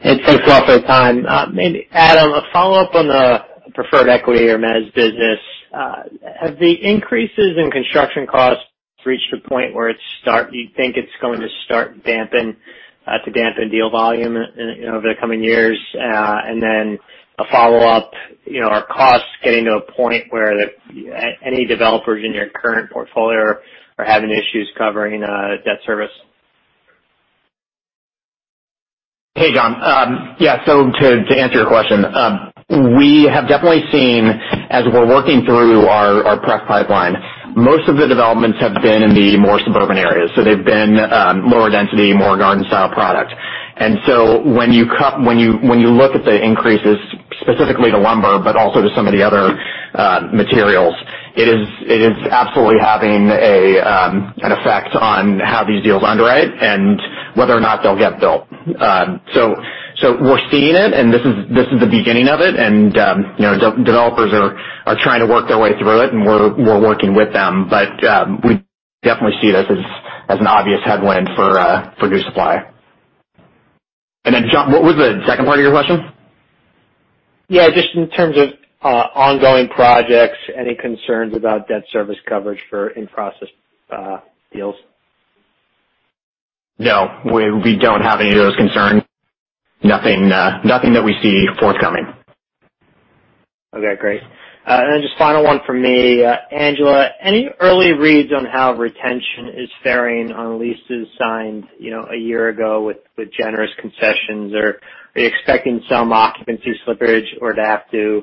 It takes up our time. Maybe Adam, a follow-up on the preferred equity or Meez business. Have the increases in construction costs reached a point where you think it's going to start to dampen deal volume in over the coming years? A follow-up, are costs getting to a point where any developers in your current portfolio are having issues covering debt service? Hey, John. Yeah. To answer your question, we have definitely seen as we're working through our pref pipeline, most of the developments have been in the more suburban areas. They've been lower density, more garden style product. When you look at the increases, specifically to lumber, but also to some of the other materials, it is absolutely having an effect on how these deals underwrite and whether or not they'll get built. We're seeing it, and this is the beginning of it. Developers are trying to work their way through it, and we're working with them. We definitely see this as an obvious headwind for new supply. Then, John, what was the second part of your question? Yeah, just in terms of ongoing projects, any concerns about debt service coverage for in-process deals? No, we don't have any of those concerns. Nothing that we see forthcoming. Okay, great. Just final one from me. Angela, any early reads on how retention is faring on leases signed a year ago with generous concessions? Are you expecting some occupancy slippage or to have to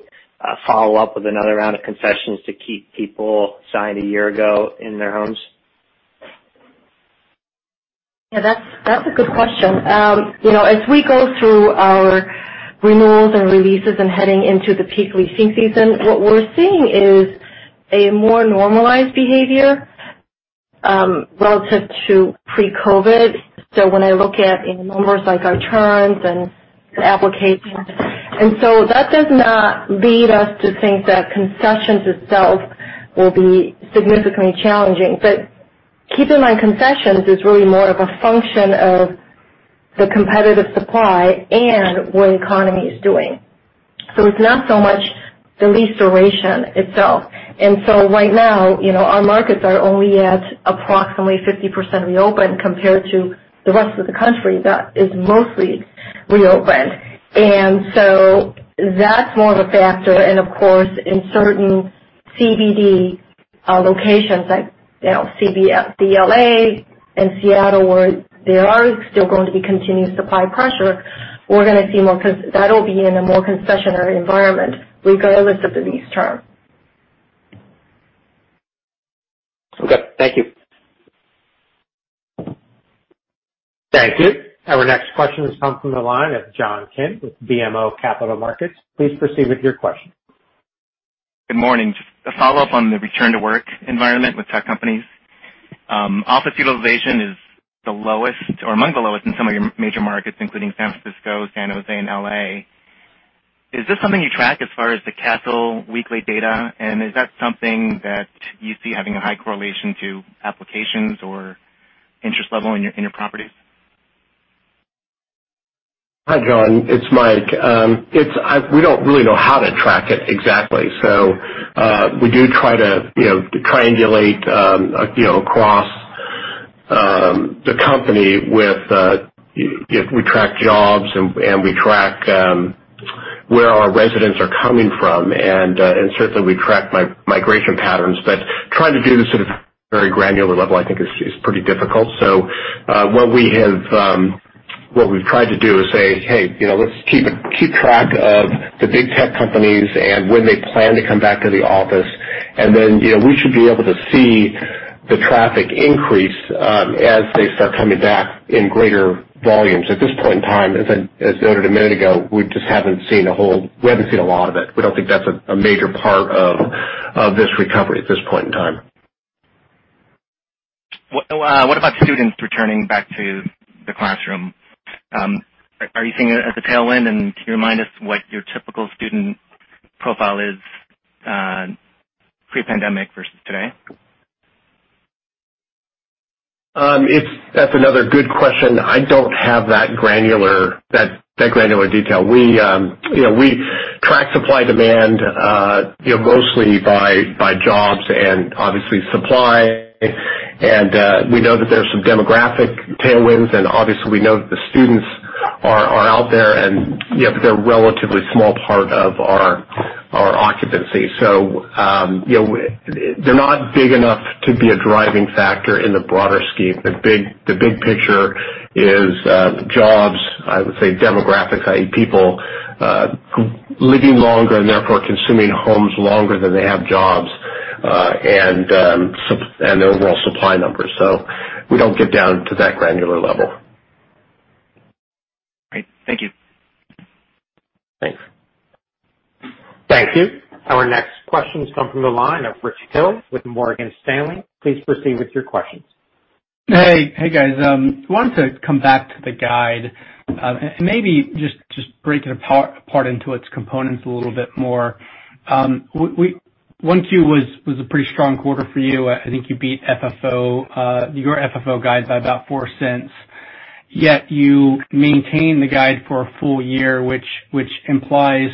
follow up with another round of concessions to keep people signed a year ago in their homes? Yeah, that's a good question. As we go through our renewals and releases and heading into the peak leasing season, what we're seeing is a more normalized behavior, relative to pre-COVID. When I look at numbers like our turns and applications, that does not lead us to think that concessions itself will be significantly challenging. Keep in mind, concessions is really more of a function of the competitive supply and what the economy is doing. It's not so much the lease duration itself. Right now, our markets are only at approximately 50% reopened compared to the rest of the country that is mostly reopened. That's more of a factor. Of course, in certain CBD locations like the L.A. and Seattle, where there are still going to be continued supply pressure, that'll be in a more concessionary environment regardless of the lease term. Okay, thank you. Thank you. Our next question has come from the line of John Kim with BMO Capital Markets. Please proceed with your question. Good morning. Just a follow-up on the return to work environment with tech companies. Office utilization is the lowest or among the lowest in some of your major markets, including San Francisco, San Jose, and L.A. Is this something you track as far as the Kastle weekly data? Is that something that you see having a high correlation to applications or interest level in your properties? Hi, John. It's Mike. We don't really know how to track it exactly. We do try to triangulate across the company with We track jobs, and we track where our residents are coming from, and certainly we track migration patterns. Trying to do this at a very granular level, I think, is pretty difficult. What we've tried to do is say, "Hey, let's keep track of the big tech companies and when they plan to come back to the office." We should be able to see the traffic increase as they start coming back in greater volumes. At this point in time, as noted a minute ago, we haven't seen a lot of it. We don't think that's a major part of this recovery at this point in time. What about students returning back to the classroom? Are you seeing it as a tailwind? Can you remind us what your typical student profile is pre-pandemic versus today? That's another good question. I don't have that granular detail. We track supply-demand mostly by jobs and obviously supply. We know that there's some demographic tailwinds, and obviously we know that the students are out there, but they're a relatively small part of our occupancy. They're not big enough to be a driving factor in the broader scheme. The big picture is jobs, I would say demographic, i.e., people living longer and therefore consuming homes longer than they have jobs, and the overall supply numbers. We don't get down to that granular level. Great. Thank you. Thanks. Thank you. Our next question has come from the line of Rich Hill with Morgan Stanley. Please proceed with your questions. Hey, guys. Wanted to come back to the guide. Maybe just break it apart into its components a little bit more. 1Q was a pretty strong quarter for you. I think you beat your FFO guide by about $0.04, yet you maintain the guide for a full year, which implies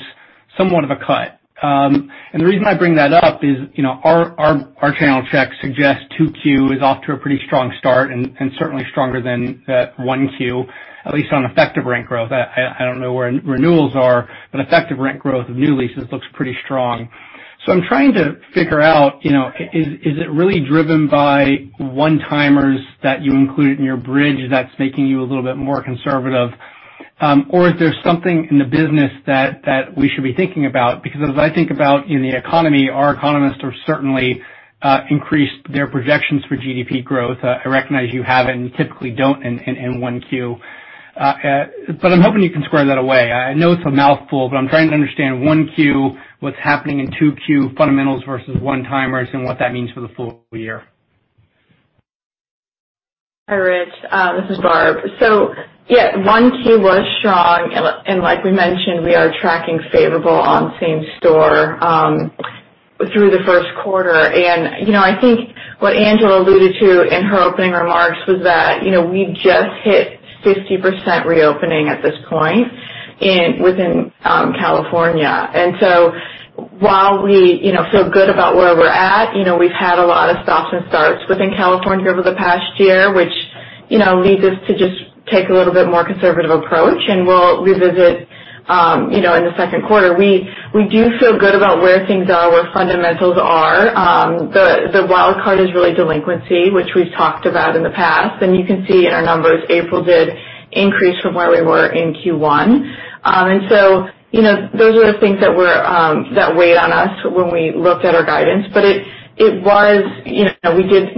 somewhat of a cut. The reason I bring that up is our channel checks suggest 2Q is off to a pretty strong start and certainly stronger than 1Q, at least on effective rent growth. I don't know where renewals are, effective rent growth of new leases looks pretty strong. I'm trying to figure out, is it really driven by one-timers that you included in your bridge that's making you a little bit more conservative? Is there something in the business that we should be thinking about? As I think about in the economy, our economists have certainly increased their projections for GDP growth. I recognize you haven't, and you typically don't in 1Q. I'm hoping you can square that away. I know it's a mouthful, but I'm trying to understand 1Q, what's happening in 2Q fundamentals versus one-timers, and what that means for the full year. Hi, Rich. This is Barb. Yeah, 1Q was strong, and like we mentioned, we are tracking favorable on same store through the first quarter. I think what Angela Kleiman alluded to in her opening remarks was that we just hit 50% reopening at this point within California. While we feel good about where we're at, we've had a lot of stops and starts within California over the past year, which leads us to just take a little bit more conservative approach, and we'll revisit in the second quarter. We do feel good about where things are, where fundamentals are. The wild card is really delinquency, which we've talked about in the past, and you can see in our numbers, April did increase from where we were in Q1. Those are the things that weighed on us when we looked at our guidance. We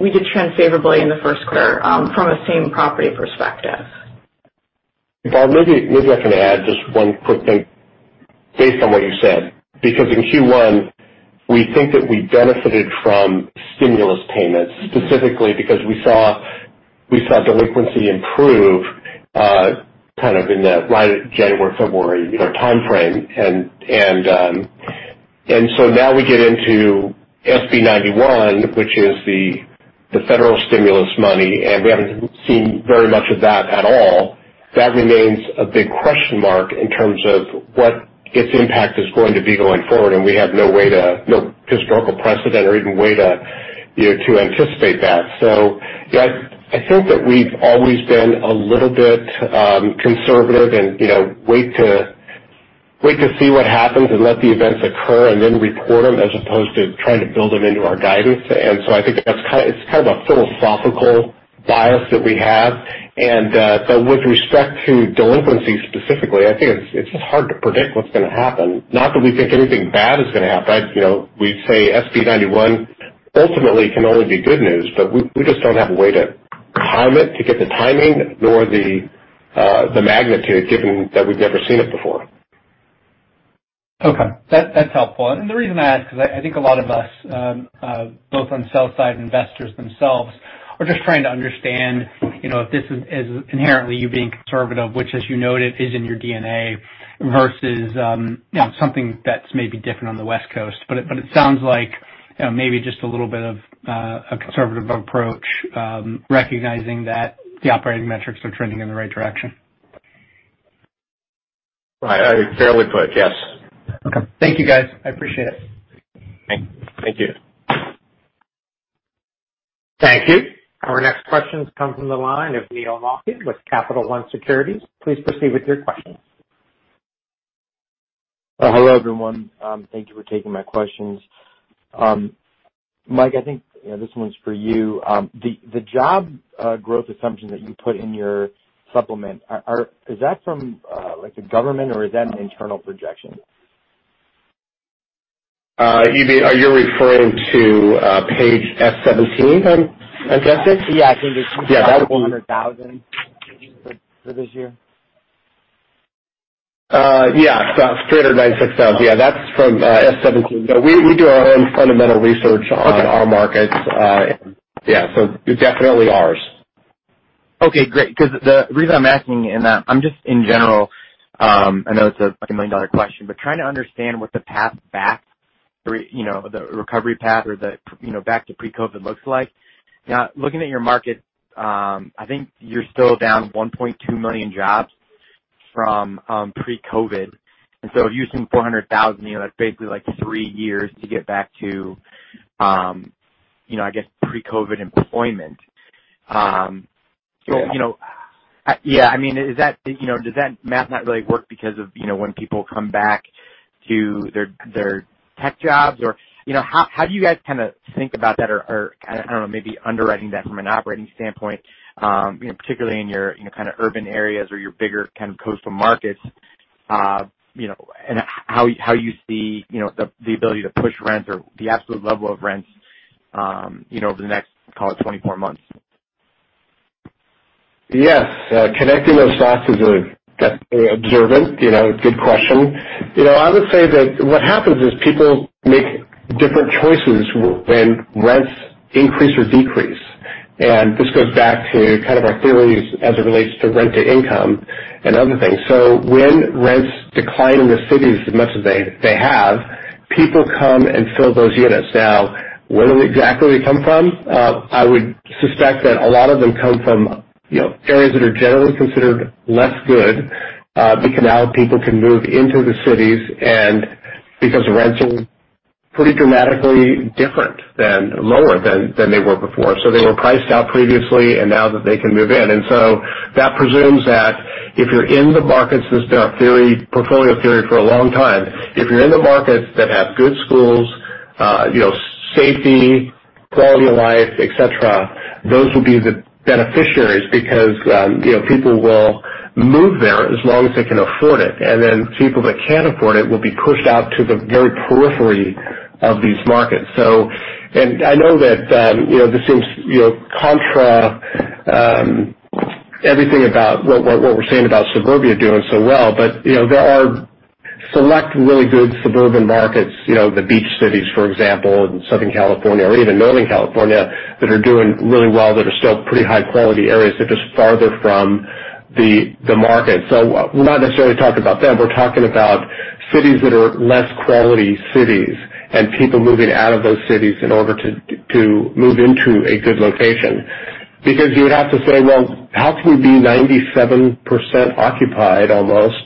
did trend favorably in the first quarter from a same-property perspective. Barb, maybe I can add just one quick thing based on what you said, because in Q1, we think that we benefited from stimulus payments, specifically because we saw delinquency improve kind of in that January, February timeframe. Now we get into SB 91, which is the federal stimulus money, and we haven't seen very much of that at all. That remains a big question mark in terms of what its impact is going to be going forward, and we have no historical precedent or even way to anticipate that. Yeah, I think that we've always been a little bit conservative and wait to see what happens and let the events occur and then report them as opposed to trying to build them into our guidance. I think it's kind of a philosophical bias that we have. With respect to delinquency specifically, I think it's just hard to predict what's going to happen. Not that we think anything bad is going to happen. We say SB 91 ultimately can only be good news, we just don't have a way to time it to get the timing nor the magnitude, given that we've never seen it before. Okay. That's helpful. The reason I ask is I think a lot of us, both on sell-side investors themselves, are just trying to understand if this is inherently you being conservative, which, as you noted, is in your DNA, versus something that's maybe different on the West Coast. It sounds like maybe just a little bit of a conservative approach, recognizing that the operating metrics are trending in the right direction. Right. Fairly put. Yes. Okay. Thank you, guys. I appreciate it. Thank you. Thank you. Our next questions come from the line of Neil Malkin with Capital One Securities. Please proceed with your questions. Hello, everyone. Thank you for taking my questions. Mike, I think this one's for you. The job growth assumption that you put in your supplement, is that from the government, or is that an internal projection? Are you referring to page F17, I'm guessing? Yeah, I think it's- Yeah. $400,000 for this year. Yeah. It's 309,600. Yeah, that's from F17. No, we do our own fundamental research. Okay On all markets. Yeah, it's definitely ours. Okay, great, the reason I'm asking in that, I'm just in general, I know it's like a million-dollar question, but trying to understand what the path back, the recovery path or back to pre-COVID looks like. Looking at your market, I think you're still down 1.2 million jobs from pre-COVID. Using 400,000, that's basically like three years to get back to I guess pre-COVID employment. Yeah. Yeah. Does that math not really work because of when people come back to their tech jobs? How do you guys kind of think about that or, I don't know, maybe underwriting that from an operating standpoint, particularly in your kind of urban areas or your bigger kind of coastal markets, and how you see the ability to push rents or the absolute level of rents over the next, call it 24 months? Yes. Connecting those dots is observant. It's a good question. I would say that what happens is people make different choices when rents increase or decrease. This goes back to kind of our theories as it relates to rent-to-income and other things. When rents decline in the cities as much as they have, people come and fill those units. Now, where exactly they come from, I would suspect that a lot of them come from areas that are generally considered less good because now people can move into the cities and because rents are pretty dramatically different than, lower than they were before. They were priced out previously, and now that they can move in. That presumes that if you're in the markets, that's been our portfolio theory for a long time. If you're in the markets that have good schools, safety, quality of life, et cetera, those will be the beneficiaries because people will move there as long as they can afford it. People that can't afford it will be pushed out to the very periphery of these markets. I know that this seems contra everything about what we're saying about suburbia doing so well, but there are select, really good suburban markets, the beach cities, for example, in Southern California or even Northern California, that are doing really well, that are still pretty high-quality areas, they're just farther from the market. We're not necessarily talking about them. We're talking about cities that are less quality cities and people moving out of those cities in order to move into a good location. You would have to say, well, how can we be 97% occupied almost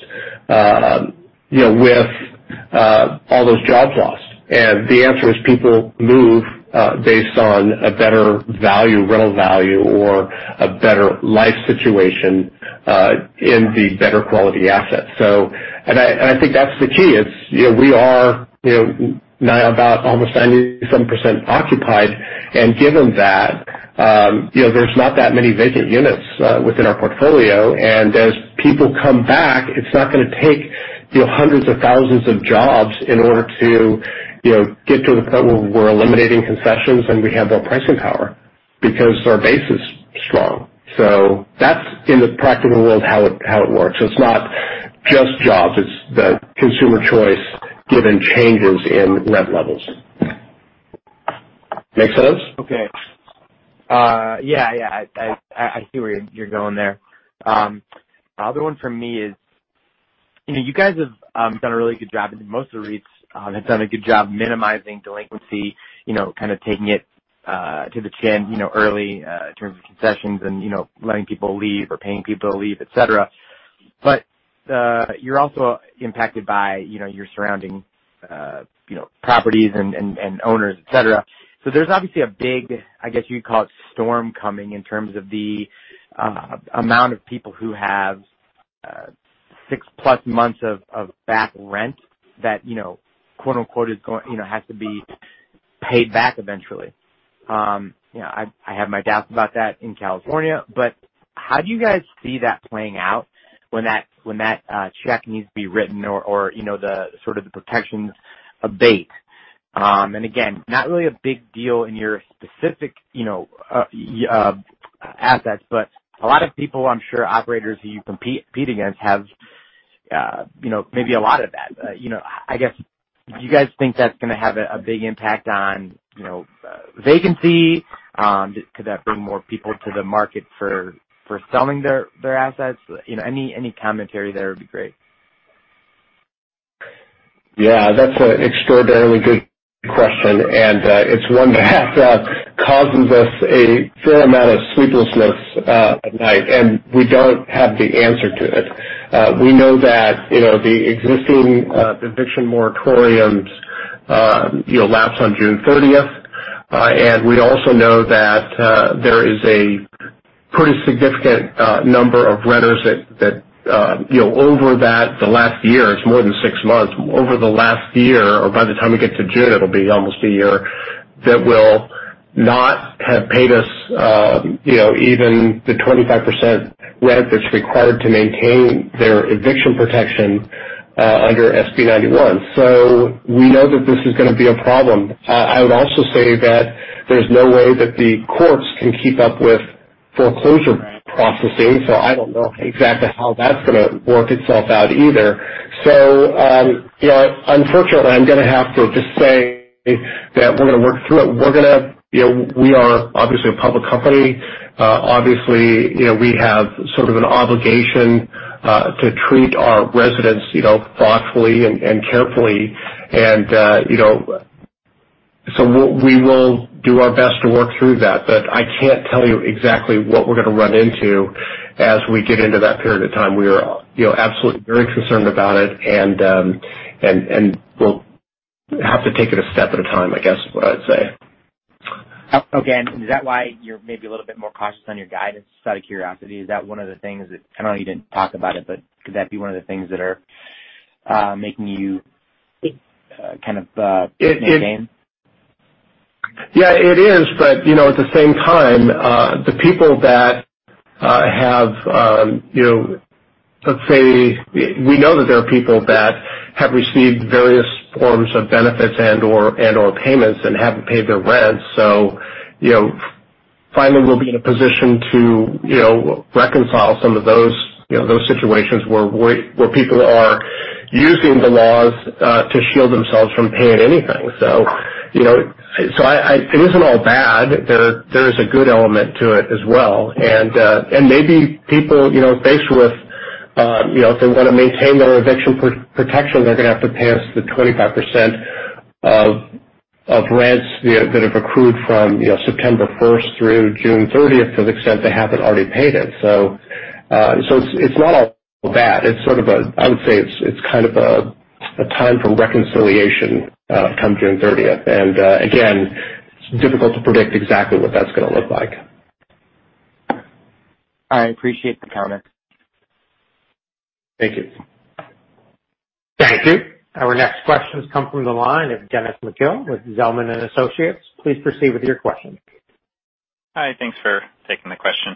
with all those jobs lost? The answer is people move based on a better value, rental value, or a better life situation in the better quality assets. I think that's the key is, we are now about almost 97% occupied, and given that there's not that many vacant units within our portfolio, and as people come back, it's not gonna take hundreds of thousands of jobs in order to get to the point where we're eliminating concessions and we have more pricing power because our base is strong. That's in the practical world how it works. It's not just jobs, it's the consumer choice given changes in rent levels. Make sense? Okay. Yeah. I see where you're going there. Other one from me is, you guys have done a really good job, and most of the REITs have done a good job minimizing delinquency, kind of taking it to the chin early in terms of concessions and letting people leave or paying people to leave, et cetera. You're also impacted by your surrounding properties and owners, et cetera. There's obviously a big, I guess you could call it storm coming in terms of the amount of people who have six-plus months of back rent that "has to be paid back eventually." I have my doubts about that in California, but how do you guys see that playing out when that check needs to be written or the sort of the protections abate? Again, not really a big deal in your specific assets, but a lot of people, I'm sure, operators who you compete against have maybe a lot of that. I guess, do you guys think that's gonna have a big impact on vacancy? Could that bring more people to the market for selling their assets? Any commentary there would be great. Yeah. That's an extraordinarily good question, and it's one that causes us a fair amount of sleeplessness at night, and we don't have the answer to it. We know that the existing eviction moratoriums lapse on June 30th. We also know that there is a pretty significant number of renters that over the last year, it's more than six months, over the last year or by the time we get to June, it'll be almost a year, that will not have paid us even the 25% rent that's required to maintain their eviction protection under SB 91. We know that this is gonna be a problem. I would also say that there's no way that the courts can keep up with foreclosure processing, so I don't know exactly how that's gonna work itself out either. Unfortunately, I'm gonna have to just say that we're gonna work through it. We are obviously a public company. Obviously, we have sort of an obligation to treat our residents thoughtfully and carefully. We will do our best to work through that, but I can't tell you exactly what we're gonna run into as we get into that period of time. We are absolutely very concerned about it, and we'll have to take it a step at a time, I guess, is what I'd say. Okay. Is that why you're maybe a little bit more cautious on your guidance? Just out of curiosity, is that one of the things I know you didn't talk about it, but could that be one of the things that are making you kind of maintain? Yeah, it is. At the same time, we know that there are people that have received various forms of benefits and/or payments and haven't paid their rent. Finally, we'll be in a position to reconcile some of those situations where people are using the laws to shield themselves from paying anything. It isn't all bad. There is a good element to it as well. Maybe people, faced with if they want to maintain their eviction protection, they're going to have to pass the 25% of rents that have accrued from September 1st through June 30th, to the extent they haven't already paid it. It's not all bad. I would say it's kind of a time for reconciliation come June 30th. Again, it's difficult to predict exactly what that's going to look like. I appreciate the comment. Thank you. Thank you. Our next questions come from the line of Dennis McGill with Zelman & Associates. Please proceed with your question. Hi, thanks for taking the question.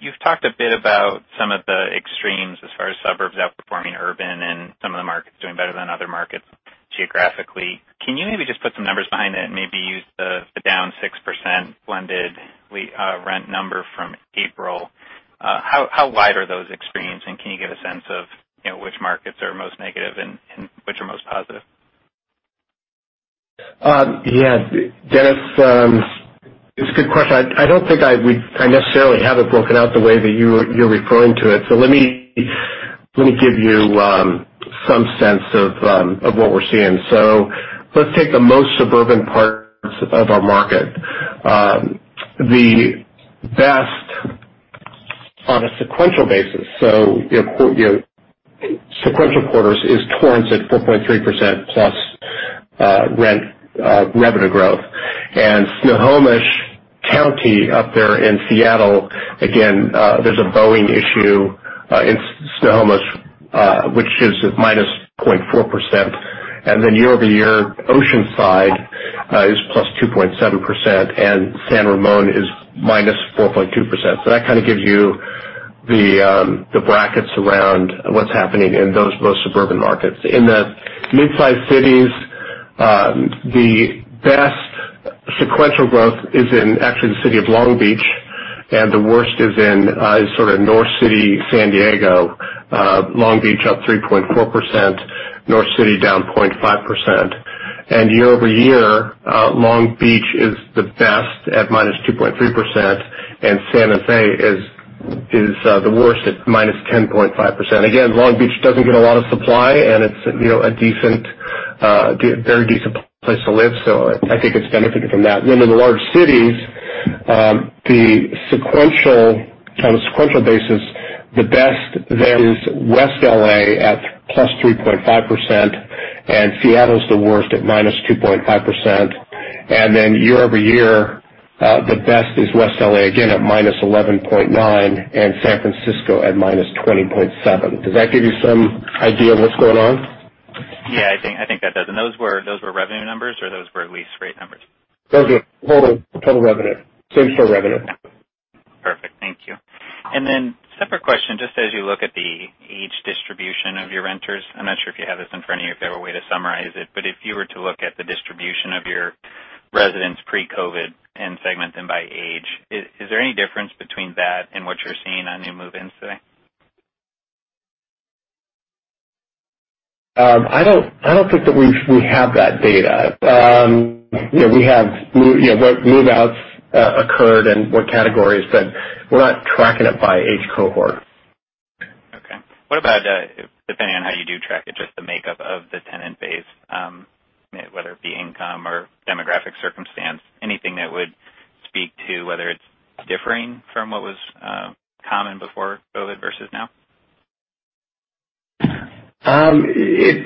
You've talked a bit about some of the extremes as far as suburbs outperforming urban and some of the markets doing better than other markets geographically. Can you maybe just put some numbers behind it and maybe use the down 6% blended rent number from April? How wide are those extremes, and can you give a sense of which markets are most negative and which are most positive? Yeah. Dennis, it's a good question. I don't think I necessarily have it broken out the way that you're referring to it. Let me give you some sense of what we're seeing. Let's take the most suburban parts of our market. The best on a sequential basis. Sequential quarters is Torrance at 4.3%+ rent revenue growth. Snohomish County up there in Seattle, again, there's a Boeing issue in Snohomish, which is at minus 0.4%. Then year-over-year, Oceanside is plus 2.7%, and San Ramon is minus 4.2%. That kind of gives you the brackets around what's happening in those most suburban markets. In the mid-sized cities, the best sequential growth is in, actually, the city of Long Beach, and the worst is in North City, San Diego. Long Beach up 3.4%, North City down 0.5%. Year-over-year, Long Beach is the best at -2.3%, and Santa Fe is the worst at -10.5%. Again, Long Beach doesn't get a lot of supply, and it's a very decent place to live, I think it's benefiting from that. In the large cities, on a sequential basis, the best there is West L.A. at +3.5%, and Seattle is the worst at -2.5%. Year-over-year, the best is West L.A., again, at -11.9%, and San Francisco at -20.7%. Does that give you some idea of what's going on? Yeah, I think that does. Those were revenue numbers, or those were lease rate numbers? Those are total revenue. Same store revenue. Perfect. Thank you. Then separate question, just as you look at the age distribution of your renters, I am not sure if you have this in front of you, if there were a way to summarize it, but if you were to look at the distribution of your residents pre-COVID and segment them by age, is there any difference between that and what you are seeing on new move-ins today? I don't think that we have that data. We have what move-outs occurred and what categories, but we're not tracking it by age cohort. Okay. What about, depending on how you do track it, just the makeup of the tenant base, whether it be income or demographic circumstance, anything that would speak to whether it's differing from what was common before COVID versus now?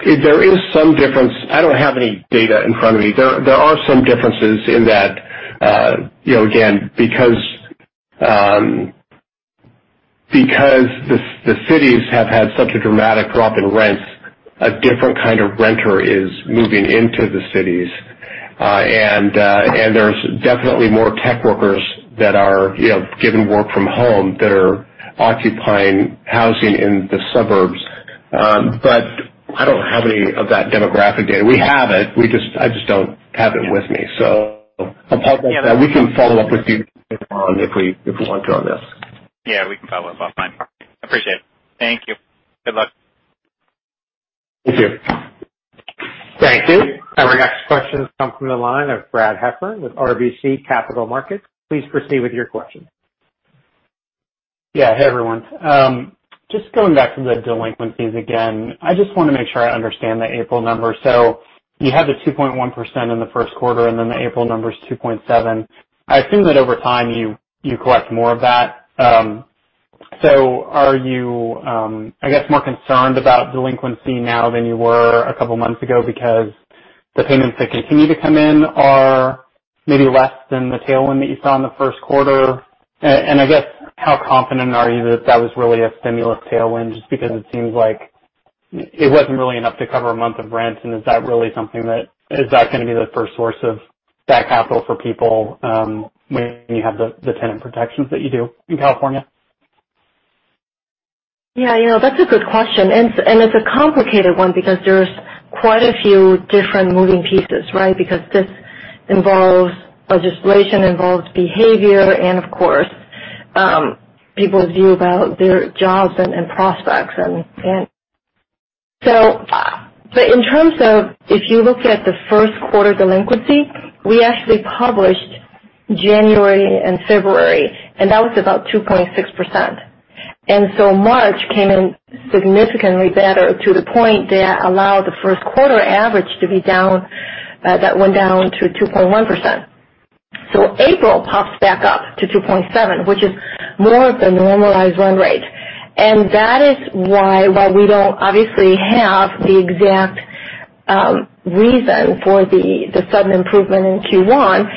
There is some difference. I don't have any data in front of me. There are some differences in that, again, because the cities have had such a dramatic drop in rents, a different kind of renter is moving into the cities. There's definitely more tech workers that are given work from home that are occupying housing in the suburbs. I don't have any of that demographic data. We have it, I just don't have it with me. Apologies for that. We can follow up with you later on if we want to on this. Yeah, we can follow up offline. Perfect. Appreciate it. Thank you. Good luck. Thank you. Thank you. Our next question comes from the line of Brad Heffern with RBC Capital Markets. Please proceed with your question. Hey, everyone. Just going back to the delinquencies again. I just want to make sure I understand the April number. You had the 2.1% in the first quarter, and then the April number's 2.7%. I assume that over time, you collect more of that. Are you, I guess, more concerned about delinquency now than you were a couple of months ago because the payments that continue to come in are maybe less than the tailwind that you saw in the first quarter? I guess how confident are you that that was really a stimulus tailwind, just because it seems like it wasn't really enough to cover a month of rent, and is that going to be the first source of that capital for people when you have the tenant protections that you do in California? Yeah. That's a good question. It's a complicated one because there's quite a few different moving pieces, right? Because this involves legislation, involves behavior, and of course, people's view about their jobs and prospects. In terms of if you look at the first quarter delinquency, we actually published January and February, and that was about 2.6%. March came in significantly better to the point that allowed the first quarter average to be down. That went down to 2.1%. April pops back up to 2.7%, which is more of the normalized run rate. That is why, while we don't obviously have the exact reason for the sudden improvement in Q1,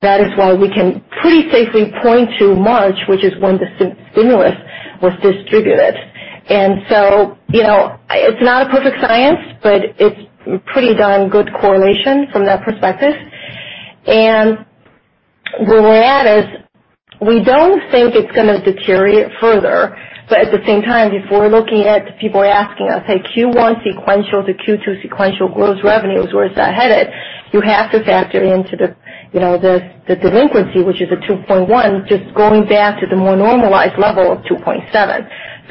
that is why we can pretty safely point to March, which is when the stimulus was distributed. It's not a perfect science, but it's pretty darn good correlation from that perspective. Where we're at is we don't think it's going to deteriorate further. At the same time, if we're looking at people are asking us, "Hey, Q1 sequential to Q2 sequential gross revenues, where is that headed?" You have to factor into the delinquency, which is a 2.1, just going back to the more normalized level of 2.7.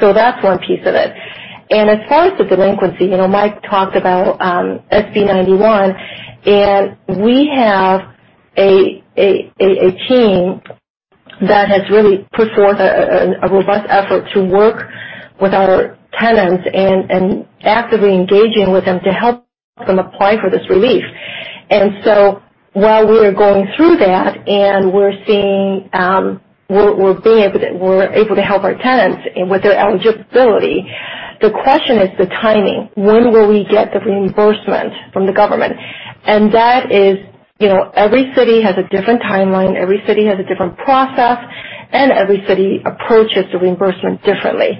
That's one piece of it. As far as the delinquency, Mike talked about SB 91, and we have a team that has really put forth a robust effort to work with our tenants and actively engaging with them to help them apply for this relief. While we are going through that and we're able to help our tenants with their eligibility, the question is the timing. When will we get the reimbursement from the government? That is every city has a different timeline, every city has a different process, and every city approaches the reimbursement differently.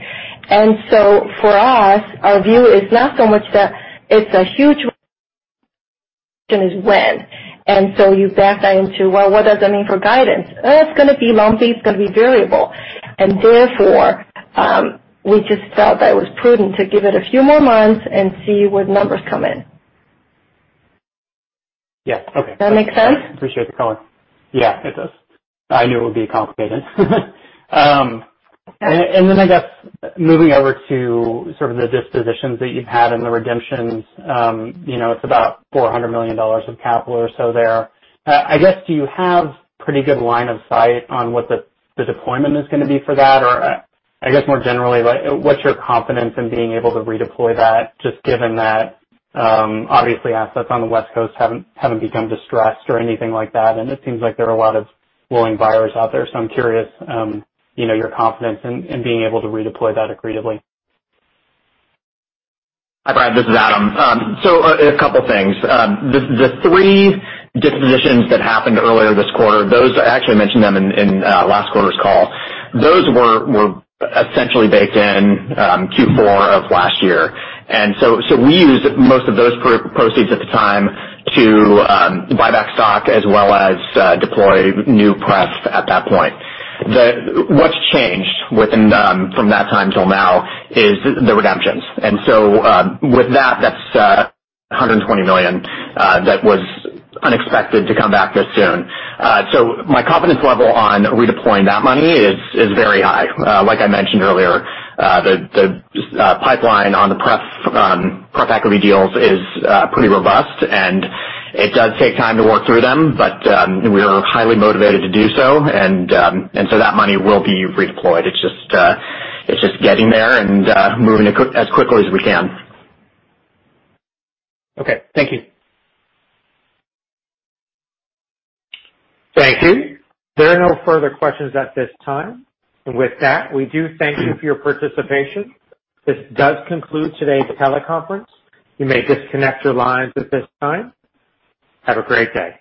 For us, our view is not so much that it's a huge is when. You back that into, well, what does that mean for guidance? It's going to be lumpy, it's going to be variable. Therefore, we just felt that it was prudent to give it a few more months and see what numbers come in. Yeah. Okay. Does that make sense? Appreciate the color. Yeah, it does. I knew it would be complicated. I guess moving over to sort of the dispositions that you've had and the redemptions. It's about $400 million of capital or so there. I guess, do you have pretty good line of sight on what the deployment is going to be for that? I guess more generally, what's your confidence in being able to redeploy that, just given that obviously assets on the West Coast haven't become distressed or anything like that, and it seems like there are a lot of willing buyers out there, so I'm curious your confidence in being able to re-deploy that aggressively. Hi, Brad, this is Adam. A couple things. The three dispositions that happened earlier this quarter, I actually mentioned them in last quarter's call. Those were essentially baked in Q4 of last year. We used most of those proceeds at the time to buy back stock as well as deploy new pref at that point. What's changed from that time till now is the redemptions. With that's $120 million that was unexpected to come back this soon. My confidence level on redeploying that money is very high. Like I mentioned earlier, the pipeline on the pref equity deals is pretty robust, and it does take time to work through them, but we are highly motivated to do so. That money will be redeployed. It's just getting there and moving as quickly as we can. Okay. Thank you. Thank you. There are no further questions at this time. With that, we do thank you for your participation. This does conclude today's teleconference. You may disconnect your lines at this time. Have a great day.